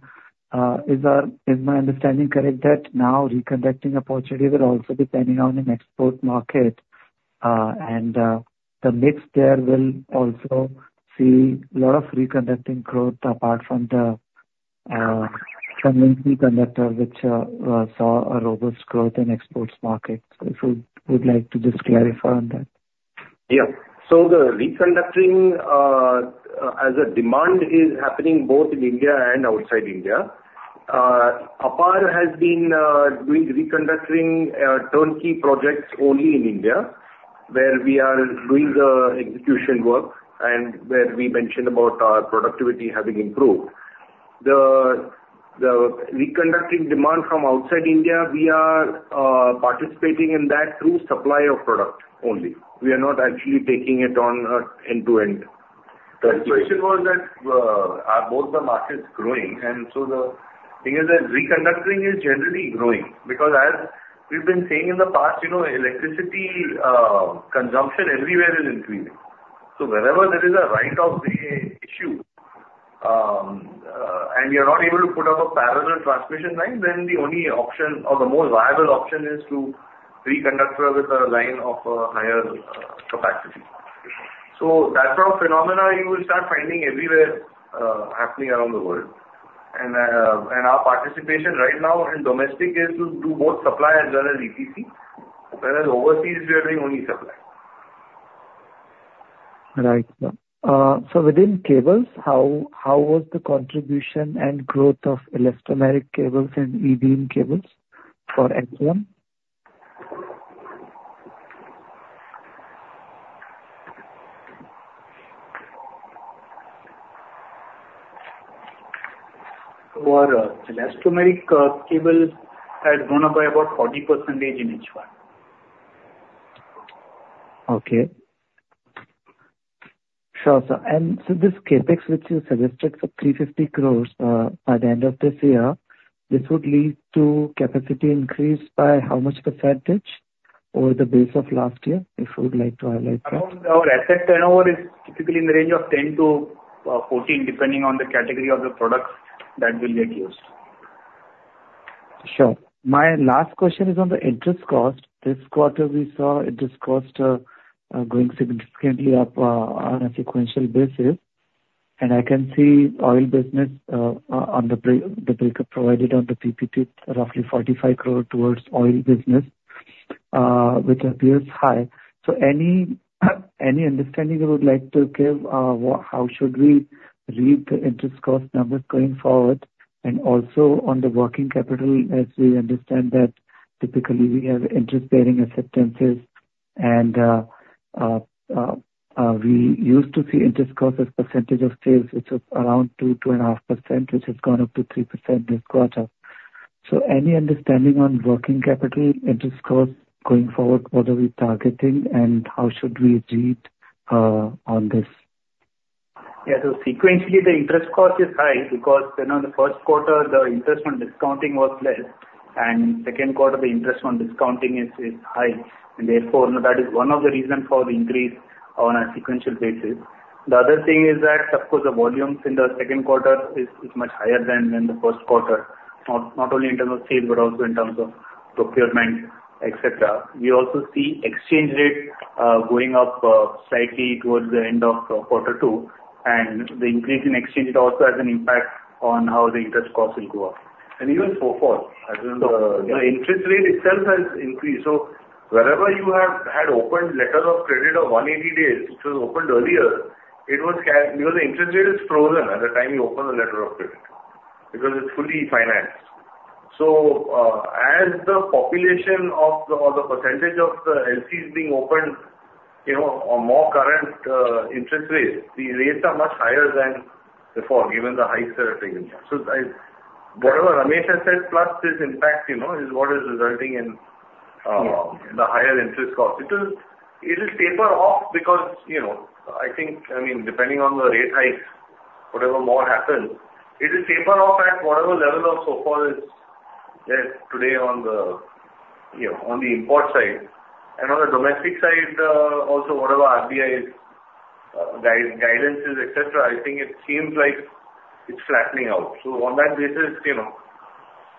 is my understanding correct, that now reconductoring opportunity will also be depending on an export market, and the mix there will also see a lot of reconductoring growth apart from the, from conductor, which saw a robust growth in export market? So if you would like to just clarify on that. Yeah. So the reconductoring, as a demand, is happening both in India and outside India. APAR has been doing reconductoring turnkey projects only in India, where we are doing the execution work and where we mentioned about our productivity having improved. The reconductoring demand from outside India, we are participating in that through supply of product only. We are not actually taking it on end to end. The question was that, are both the markets growing? And so the thing is that reconductoring is generally growing, because as we've been saying in the past, you know, electricity consumption everywhere is increasing. So wherever there is a right-of-way issue, and you're not able to put up a parallel transmission line, then the only option or the most viable option is to reconductor with a line of higher capacity. So that sort of phenomena you will start finding everywhere, happening around the world. And our participation right now in domestic is to do both supply as well as EPC. Whereas overseas, we are doing only supply. Right. So within cables, how, how was the contribution and growth of elastomeric cables and e-beam cables for XLPO? For elastomeric cable has gone up by about 40% in H1. Okay. Sure, sir. And so this CapEx, which you suggested, for 350 crores, by the end of this year, this would lead to capacity increase by how much % over the base of last year, if you would like to highlight that? Around our asset turnover is typically in the range of 10-14, depending on the category of the products that will get used. Sure. My last question is on the interest cost. This quarter, we saw interest cost going significantly up on a sequential basis. And I can see oil business on the breakup provided on the PPT, roughly 45 crore towards oil business, which appears high. So any understanding you would like to give, how should we read the interest cost numbers going forward? And also on the working capital, as we understand that typically we have interest bearing acceptances and we used to see interest cost as percentage of sales, which is around 2%-2.5%, which has gone up to 3% this quarter. So any understanding on working capital interest cost going forward, what are we targeting and how should we read on this? Yeah. So sequentially, the interest cost is high because, you know, in the first quarter, the interest on discounting was less, and second quarter, the interest on discounting is high. And therefore, that is one of the reasons for the increase on a sequential basis. The other thing is that, of course, the volumes in the second quarter is much higher than in the first quarter, not only in terms of sales, but also in terms of procurement, et cetera. We also see exchange rate going up slightly towards the end of quarter two, and the increase in exchange rate also has an impact on how the interest costs will go up. And even so far as in the, you know, interest rate itself has increased. So wherever you have had opened letter of credit of 180 days, which was opened earlier, you know, the interest rate is frozen at the time you open the letter of credit, because it's fully financed. So, as the population of the, or the percentage of the LCs being opened, you know, on more current interest rates, the rates are much higher than before, given the high rate. So whatever Ramesh has said, plus this impact, you know, is what is resulting in the higher interest cost. It will taper off because, you know, I think, I mean, depending on the rate hikes, whatever more happens, it will taper off at whatever level. Yes, today on the, yeah, on the import side. On the domestic side, also whatever RBI's guide, guidances, et cetera, I think it seems like it's flattening out. So on that basis, you know,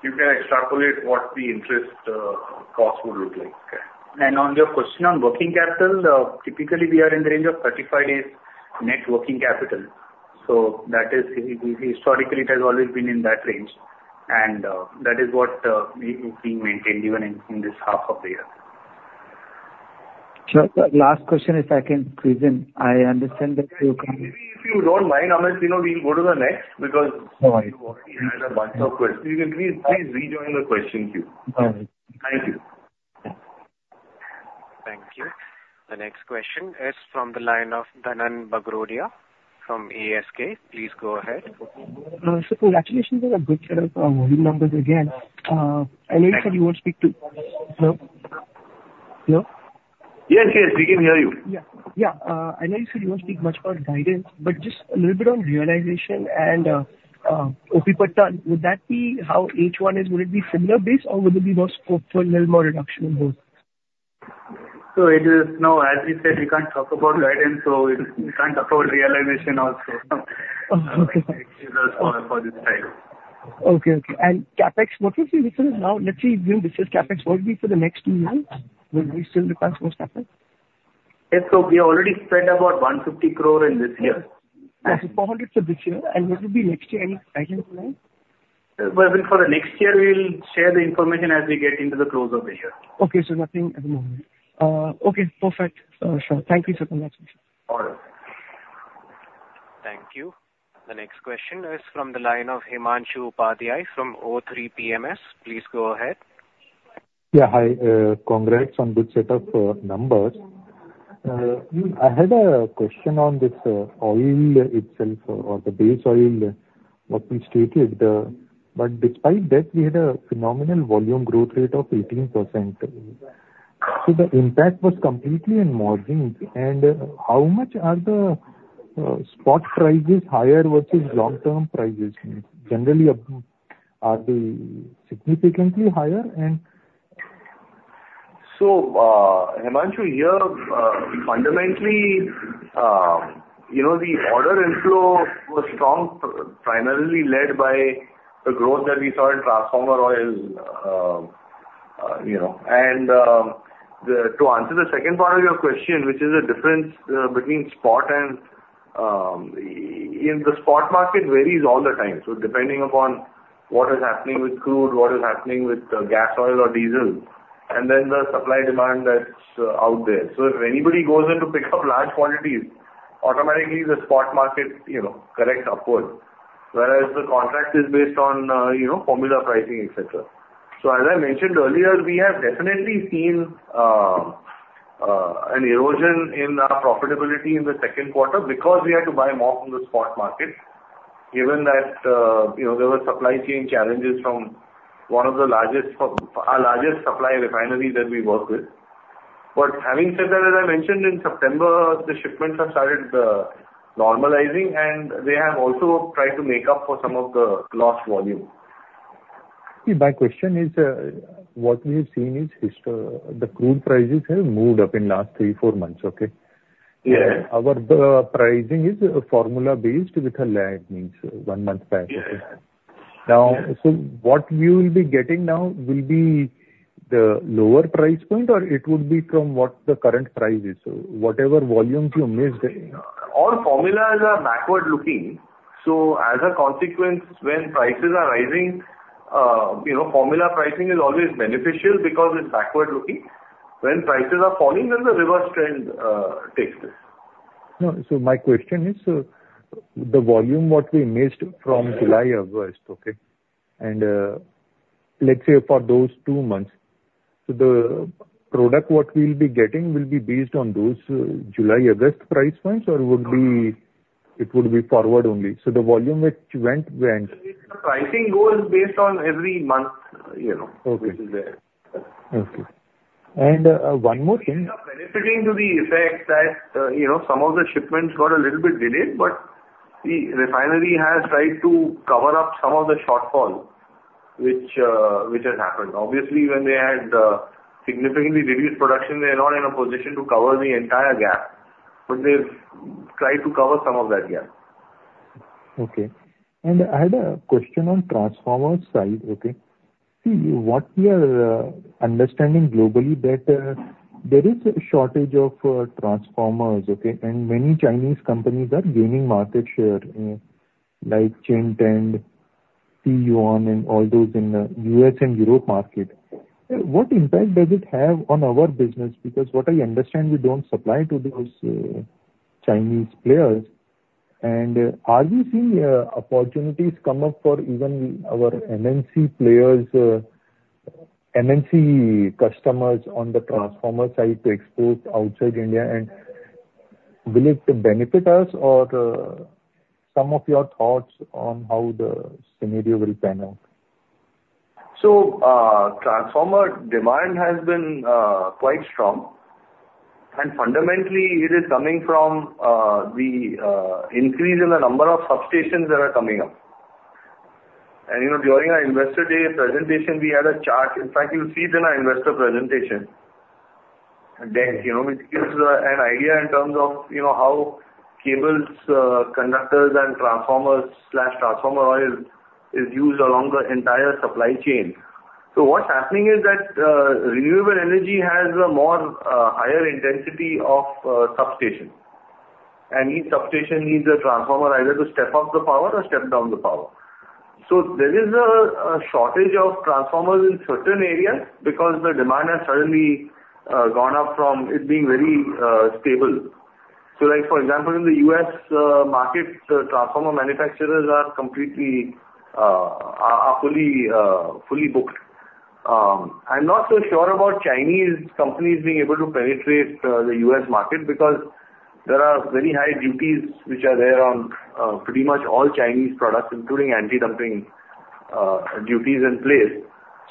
you can extrapolate what the interest cost would look like. On your question on working capital, typically we are in the range of 35 days net working capital, so that is, historically, it has always been in that range, and that is what we maintain even in this half of the year. Sir, last question, if I can please, and I understand that you- Maybe if you don't mind, Amit, you know, we'll go to the next, because- No, worry. You've already had a bunch of questions. You can please, please rejoin the question queue. All right. Thank you. Thank you. The next question is from the line of Dhananjay Bagrodia from ASK. Please go ahead. So congratulations on a good set of numbers again. I know you said you won't speak to... Hello? Hello? Yes, yes, we can hear you. Yeah. Yeah, I know you said you won't speak much about guidance, but just a little bit on realization and EBITDA, would that be how H1 is, would it be similar base or would it be more scope for a little more reduction in both? It is, no, as we said, we can't talk about guidance, so we can't talk about realization also. Oh, okay. For this time. Okay, okay. And CapEx, what would be the return now? Let's say, when we discuss CapEx, what would be for the next two months? Will we still require more CapEx? Yes. So we already spent about 150 crore in this year. Yes, 400 for this year, and what would be next year, any guidance in line? Well, for the next year, we'll share the information as we get into the close of the year. Okay, so nothing at the moment. Okay, perfect, sir. Thank you, sir. Congratulations. All right. Thank you. The next question is from the line of Himanshu Upadhyay from O3 PMS. Please go ahead. Yeah, hi. Congrats on good set of numbers. I had a question on this oil itself, or the base oil, what we stated. But despite that, we had a phenomenal volume growth rate of 18%. So the impact was completely in margins. And how much are the spot prices higher versus long-term prices? Generally, are they significantly higher, and- So, Himanshu, here, fundamentally, you know, the order inflow was strong, primarily led by the growth that we saw in transformer oil, you know. And, to answer the second part of your question, which is the difference between spot and... In the spot market varies all the time. So depending upon what is happening with crude, what is happening with gas oil or diesel, and then the supply/demand that's out there. So if anybody goes in to pick up large quantities, automatically the spot market, you know, corrects upward. Whereas the contract is based on, you know, formula pricing, et cetera. As I mentioned earlier, we have definitely seen an erosion in our profitability in the second quarter, because we had to buy more from the spot market, given that, you know, there were supply chain challenges from one of the largest, our largest supply refinery that we work with. But having said that, as I mentioned in September, the shipments have started normalizing, and they have also tried to make up for some of the lost volume. My question is, what we've seen is the crude prices have moved up in last three to four months, okay? Yeah. Our pricing is formula-based with a lag, means one month back. Yeah. Now, so what you will be getting now will be the lower price point, or it would be from what the current price is, so whatever volumes you missed- All formulas are backward-looking, so as a consequence, when prices are rising, you know, formula pricing is always beneficial because it's backward-looking. When prices are falling, then the reverse trend takes this. No, so my question is, the volume what we missed from July, August, okay? And, let's say for those two months, so the product what we'll be getting will be based on those July, August price points, or would be, it would be forward only, so the volume which went, went? The pricing goal is based on every month, you know. Okay. which is there. Okay. And, one more thing- We are benefiting to the effect that, you know, some of the shipments got a little bit delayed, but the refinery has tried to cover up some of the shortfall, which has happened. Obviously, when they had significantly reduced production, they are not in a position to cover the entire gap, but they've tried to cover some of that gap. Okay. And I had a question on transformer side, okay? See, what we are understanding globally that there is a shortage of transformers, okay? And many Chinese companies are gaining market share, like Chint and Taiyuan, and all those in the U.S. and Europe market. What impact does it have on our business? Because what I understand, we don't supply to those Chinese players. And, are you seeing opportunities come up for even our MNC players, MNC customers on the transformer side to export outside India, and will it benefit us or some of your thoughts on how the scenario will pan out? So, transformer demand has been quite strong. And fundamentally, it is coming from the increase in the number of substations that are coming up. And, you know, during our Investor Day presentation, we had a chart. In fact, you'll see it in our investor presentation. And then, you know, it gives an idea in terms of, you know, how cables, conductors and transformers, transformer oil is used along the entire supply chain. So what's happening is that renewable energy has a more higher intensity of substation, and each substation needs a transformer either to step up the power or step down the power. So there is a shortage of transformers in certain areas because the demand has suddenly gone up from it being very stable. So like for example, in the U.S. market, the transformer manufacturers are fully booked. I'm not so sure about Chinese companies being able to penetrate the U.S. market because there are very high duties which are there on pretty much all Chinese products, including anti-dumping duties in place.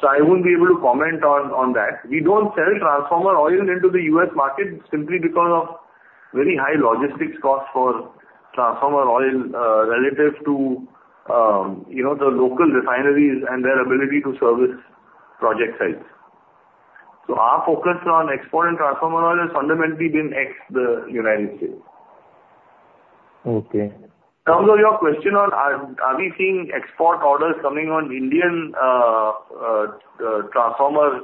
So I won't be able to comment on that. We don't sell transformer oil into the U.S. market simply because of very high logistics costs for transformer oil relative to you know, the local refineries and their ability to service project sites. So our focus on export and transformer oil has fundamentally been ex the United States. Okay. In terms of your question on are we seeing export orders coming on Indian transformer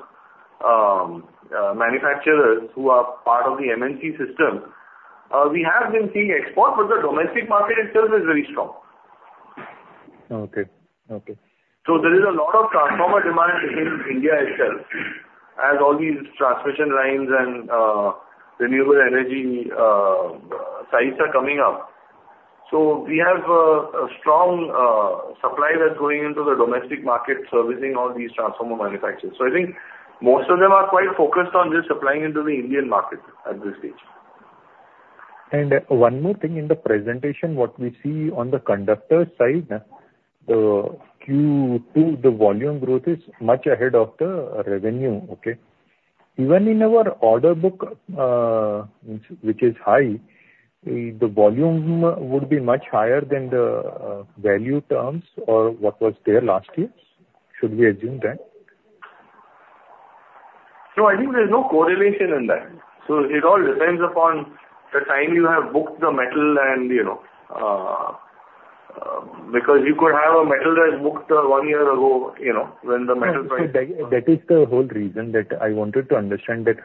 manufacturers who are part of the MNC system? We have been seeing export, but the domestic market itself is very strong. Okay. Okay. So there is a lot of transformer demand within India itself, as all these transmission lines and renewable energy sites are coming up. So we have a strong supply that's going into the domestic market, servicing all these transformer manufacturers. So I think most of them are quite focused on just supplying into the Indian market at this stage. One more thing, in the presentation, what we see on the conductor side, the Q2, the volume growth is much ahead of the revenue, okay? Even in our order book, which is high, the volume would be much higher than the value terms or what was there last year. Should we assume that? No, I think there's no correlation in that. So it all depends upon the time you have booked the metal and, you know, because you could have a metal that is booked, one year ago, you know, when the metal price- That is the whole reason that I wanted to understand that,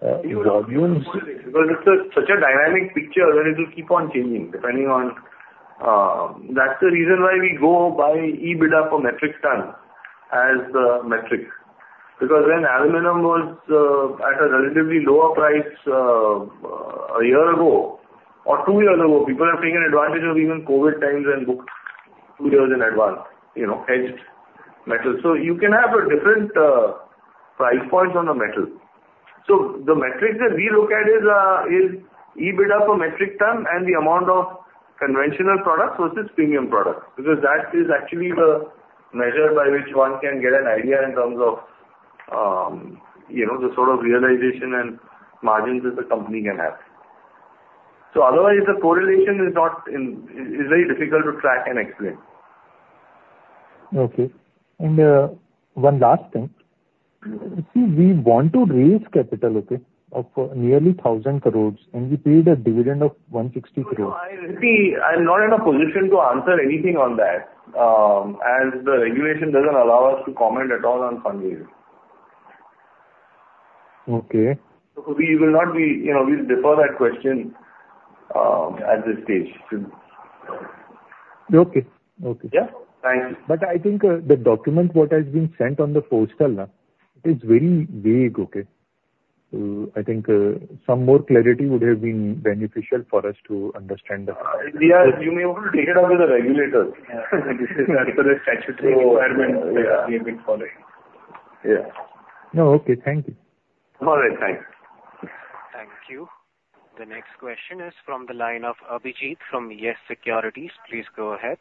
the volumes- Because it's such a dynamic picture, and it will keep on changing, depending on... That's the reason why we go by EBITDA per metric ton as the metric. Because when aluminum was at a relatively lower price a year ago or two years ago, people are taking advantage of even COVID times and booked two years in advance, you know, hedged metal. So you can have a different price points on the metal. So the metric that we look at is EBITDA per metric ton and the amount of conventional products versus premium products, because that is actually the measure by which one can get an idea in terms of, you know, the sort of realization and margins that the company can have. So otherwise, the correlation is not in, is very difficult to track and explain. Okay. And, one last thing. See, we want to raise capital, okay, of nearly 1,000 crores, and we paid a dividend of 160 crores. I really, I'm not in a position to answer anything on that, as the regulation doesn't allow us to comment at all on funding. Okay. So we will not be... You know, we defer that question at this stage. Okay. Okay. Yeah. Thank you. But I think, the document, what has been sent on the portal, it is very vague, okay? I think, some more clarity would have been beneficial for us to understand the- You may want to take it up with the regulators.... Because the statutory requirement- Yeah. We have been following. Yeah. No, okay. Thank you. All right. Thanks. Thank you. The next question is from the line of Abhijeet from YES Securities. Please go ahead.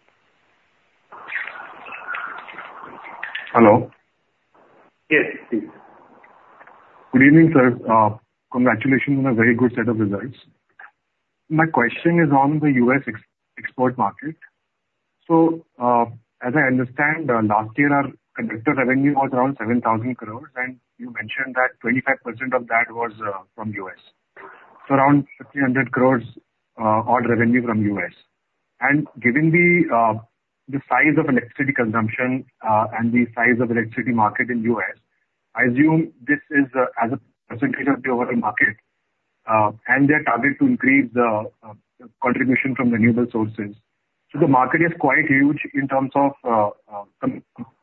Hello. Yes, please. Good evening, sir. Congratulations on a very good set of results. My question is on the U.S. export market. So, as I understand, last year our conductor revenue was around 7,000 crore, and you mentioned that 25% of that was from U.S. So around 1,500 crore odd revenue from U.S. And given the size of electricity consumption and the size of electricity market in U.S., I assume this is as a percentage of the overall market and their target to increase the contribution from renewable sources. So the market is quite huge in terms of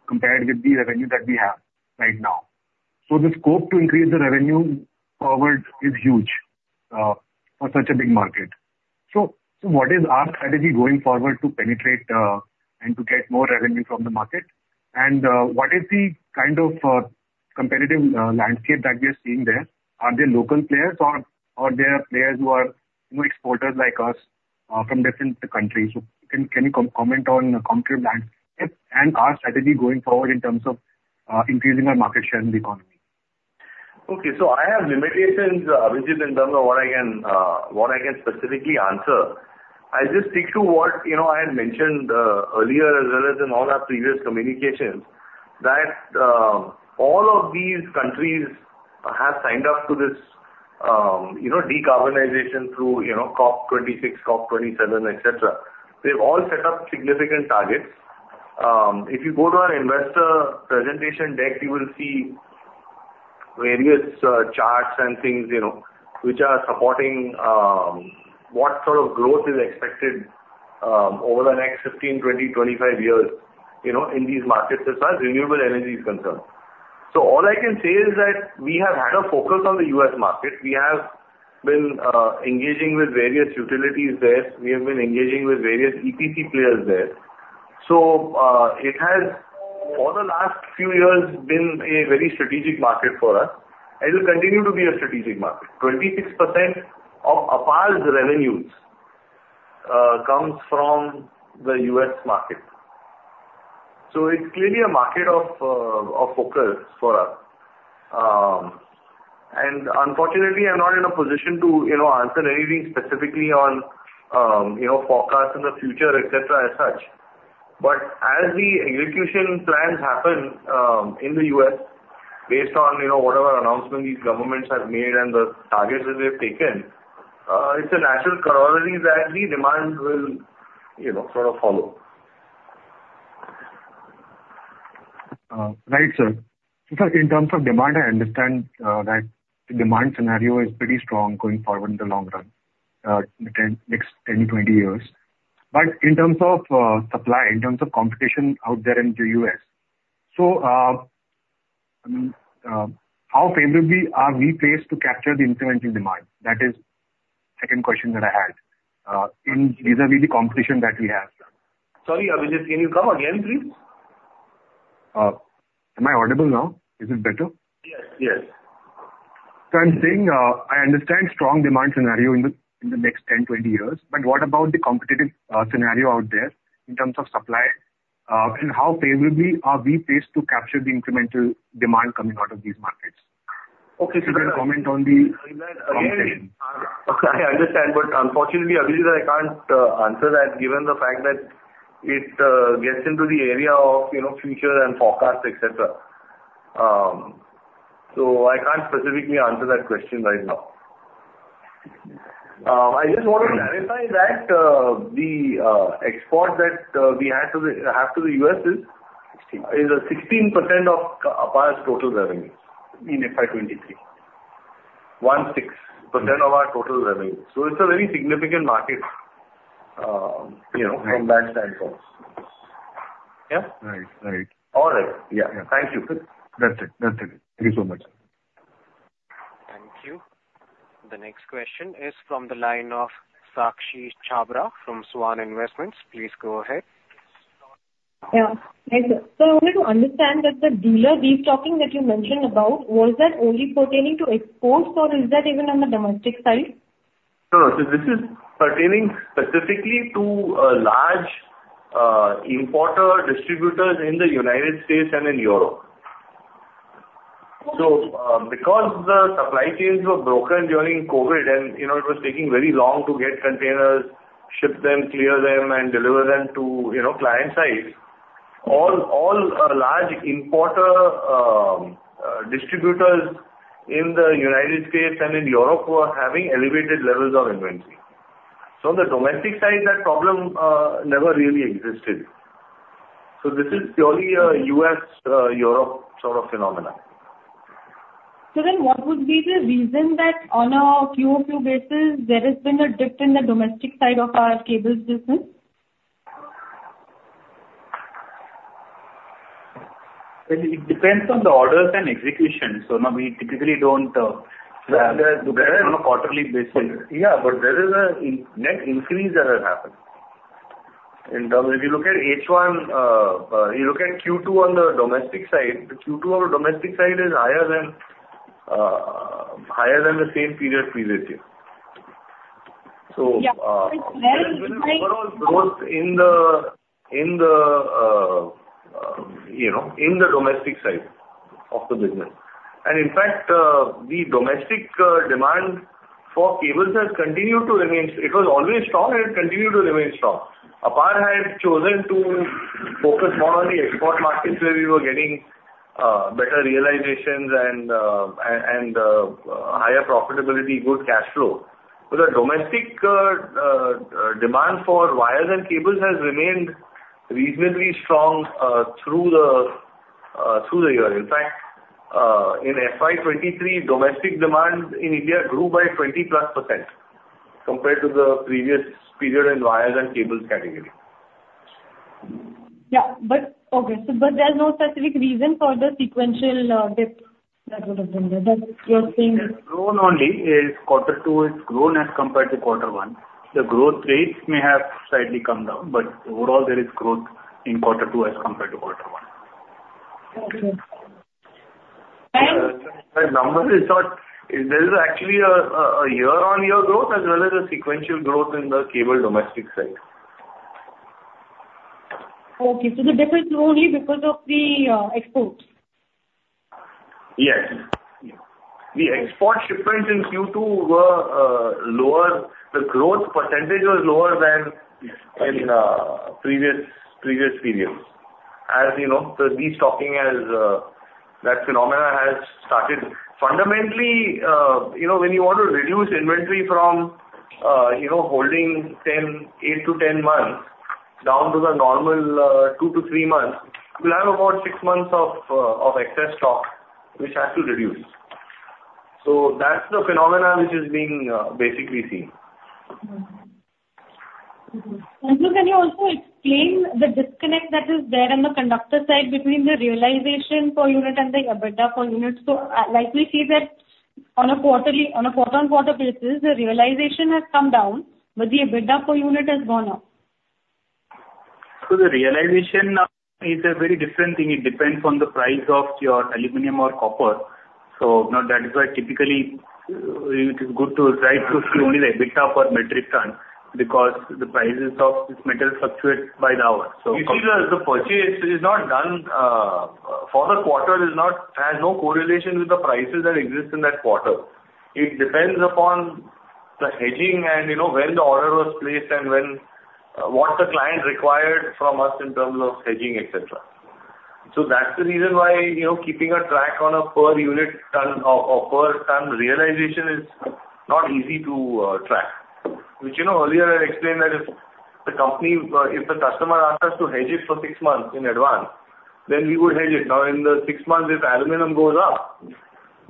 compared with the revenue that we have right now. So the scope to increase the revenue forward is huge for such a big market. So, what is our strategy going forward to penetrate and to get more revenue from the market? And, what is the kind of competitive landscape that we are seeing there? Are there local players or there are players who are new exporters like us from different countries? So can you comment on country plans and our strategy going forward in terms of increasing our market share in the economy? Okay. So I have limitations, which is in terms of what I can, what I can specifically answer. I'll just stick to what, you know, I had mentioned, earlier, as well as in all our previous communications, that, all of these countries have signed up to this, you know, decarbonization through, you know, COP26, COP27, et cetera. They've all set up significant targets. If you go to our investor presentation deck, you will see various, charts and things, you know, which are supporting, what sort of growth is expected, over the next 15, 20, 25 years, you know, in these markets as far as renewable energy is concerned. So all I can say is that we have had a focus on the U.S. market. We have been, engaging with various utilities there. We have been engaging with various EPC players there. So, it has, for the last few years, been a very strategic market for us, and it will continue to be a strategic market. 26% of APAR's revenues comes from the U.S. market, so it's clearly a market of focus for us. And unfortunately, I'm not in a position to, you know, answer anything specifically on, you know, forecasts in the future, et cetera, as such. But as the execution plans happen in the U.S., based on, you know, whatever announcement these governments have made and the targets that they've taken, it's a natural corollary that the demand will, you know, sort of follow. Right, sir. In fact, in terms of demand, I understand that the demand scenario is pretty strong going forward in the long run, again, next 10, 20 years. But in terms of supply, in terms of competition out there in the U.S., so, how favorably are we placed to capture the incremental demand? That is second question that I had. In vis-à-vis the competition that we have, sir. Sorry, Abhijeet, can you come again, please? Am I audible now? Is it better? Yes. Yes. So I'm saying, I understand strong demand scenario in the next 10, 20 years, but what about the competitive scenario out there in terms of supply, and how favorably are we placed to capture the incremental demand coming out of these markets? Okay. If you can comment on the- I understand, but unfortunately, Abhijeet, I can't answer that, given the fact that it gets into the area of, you know, future and forecast, et cetera. I can't specifically answer that question right now. I just want to clarify that, the export that we have to the U.S. is- 16. is 16% of APAR's total revenues in FY 2023. 16% of our total revenue. So it's a very significant market, you know, from that standpoint. Yeah? Right. Right. All right. Yeah. Thank you. That's it. That's it. Thank you so much. Thank you. The next question is from the line of Sakshi Chhabra from Swan Investments. Please go ahead. Yeah. Hi, sir. So I wanted to understand that the dealer destocking that you mentioned about, was that only pertaining to exports, or is that even on the domestic side? No, so this is pertaining specifically to a large importer, distributors in the United States and in Europe. Okay. So, because the supply chains were broken during COVID and, you know, it was taking very long to get containers, ship them, clear them, and deliver them to, you know, client sites, all large importers, distributors in the United States and in Europe were having elevated levels of inventory. So on the domestic side, that problem never really existed. So this is purely a U.S., Europe sort of phenomenon. What would be the reason that on a QoQ basis, there has been a dip in the domestic side of our cables business? Well, it depends on the orders and execution. So now we typically don't, On a quarterly basis. Yeah, but there is a net increase that has happened. In terms... If you look at H1, you look at Q2 on the domestic side, the Q2 on the domestic side is higher than higher than the same period previously. Yeah. So, uh- Very high. Overall growth in the, you know, domestic side of the business. In fact, the domestic demand for cables has continued to remain... It was always strong and it continued to remain strong. APAR had chosen to focus more on the export markets, where we were getting better realizations and higher profitability, good cash flow. But the domestic demand for wires and cables has remained reasonably strong through the year. In fact, in FY 2023, domestic demand in India grew by 20%+ compared to the previous period in wires and cables category. Yeah, but okay. So but there's no specific reason for the sequential dip that would have been there? That you're saying- It's grown only. Is Quarter two has grown as compared to Quarter one. The growth rates may have slightly come down, but overall there is growth in Quarter two as compared to Quarter one. Okay. ...The number is not, there is actually a year-on-year growth as well as a sequential growth in the cable domestic side. Okay, so the difference is only because of the export? Yes. The export shipments in Q2 were lower. The growth percentage was lower than in previous, previous periods. As you know, the destocking has, that phenomena has started. Fundamentally, you know, when you want to reduce inventory from you know, holding 10, eight to 10 months down to the normal two to three months, you'll have about six months of of excess stock, which has to reduce. So that's the phenomena which is being basically seen. Mm-hmm. Then can you also explain the disconnect that is there on the conductor side between the realization per unit and the EBITDA per unit? Like we see that on a quarterly, on a quarter-on-quarter basis, the realization has come down, but the EBITDA per unit has gone up. So the realization is a very different thing. It depends on the price of your aluminum or copper. So now that is why typically it is good to try to see only the EBITDA per metric ton, because the prices of this metal fluctuates by the hour. So you see, the purchase is not done for the quarter, has no correlation with the prices that exist in that quarter. It depends upon the hedging and, you know, when the order was placed and when what the client required from us in terms of hedging, et cetera. So that's the reason why, you know, keeping a track on a per unit ton or per ton realization is not easy to track. Which, you know, earlier I explained that if the company, if the customer asks us to hedge it for six months in advance, then we would hedge it. Now, in the six months, if aluminum goes up,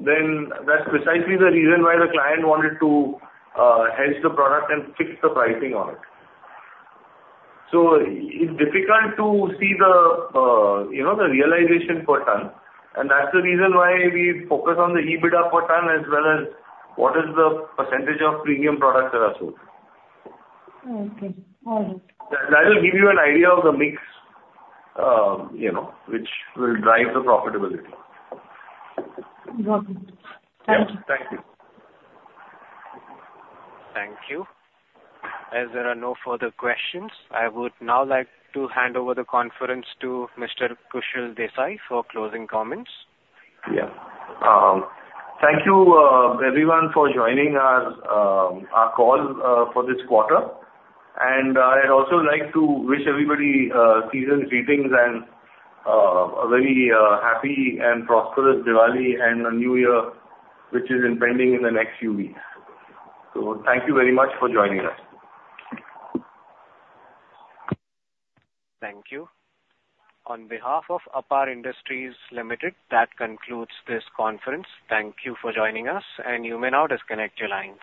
then that's precisely the reason why the client wanted to, hedge the product and fix the pricing on it. So it's difficult to see the, you know, the realization per ton, and that's the reason why we focus on the EBITDA per ton, as well as what is the percentage of premium products that are sold. Okay. All right. That will give you an idea of the mix, you know, which will drive the profitability. Got it. Thank you. Yeah. Thank you. Thank you. As there are no further questions, I would now like to hand over the conference to Mr. Kushal Desai for closing comments. Yeah. Thank you, everyone for joining us, our call, for this quarter. I'd also like to wish everybody season's greetings and a very happy and prosperous Diwali and a New Year, which is impending in the next few weeks. So thank you very much for joining us. Thank you. On behalf of APAR Industries Limited, that concludes this conference. Thank you for joining us, and you may now disconnect your lines.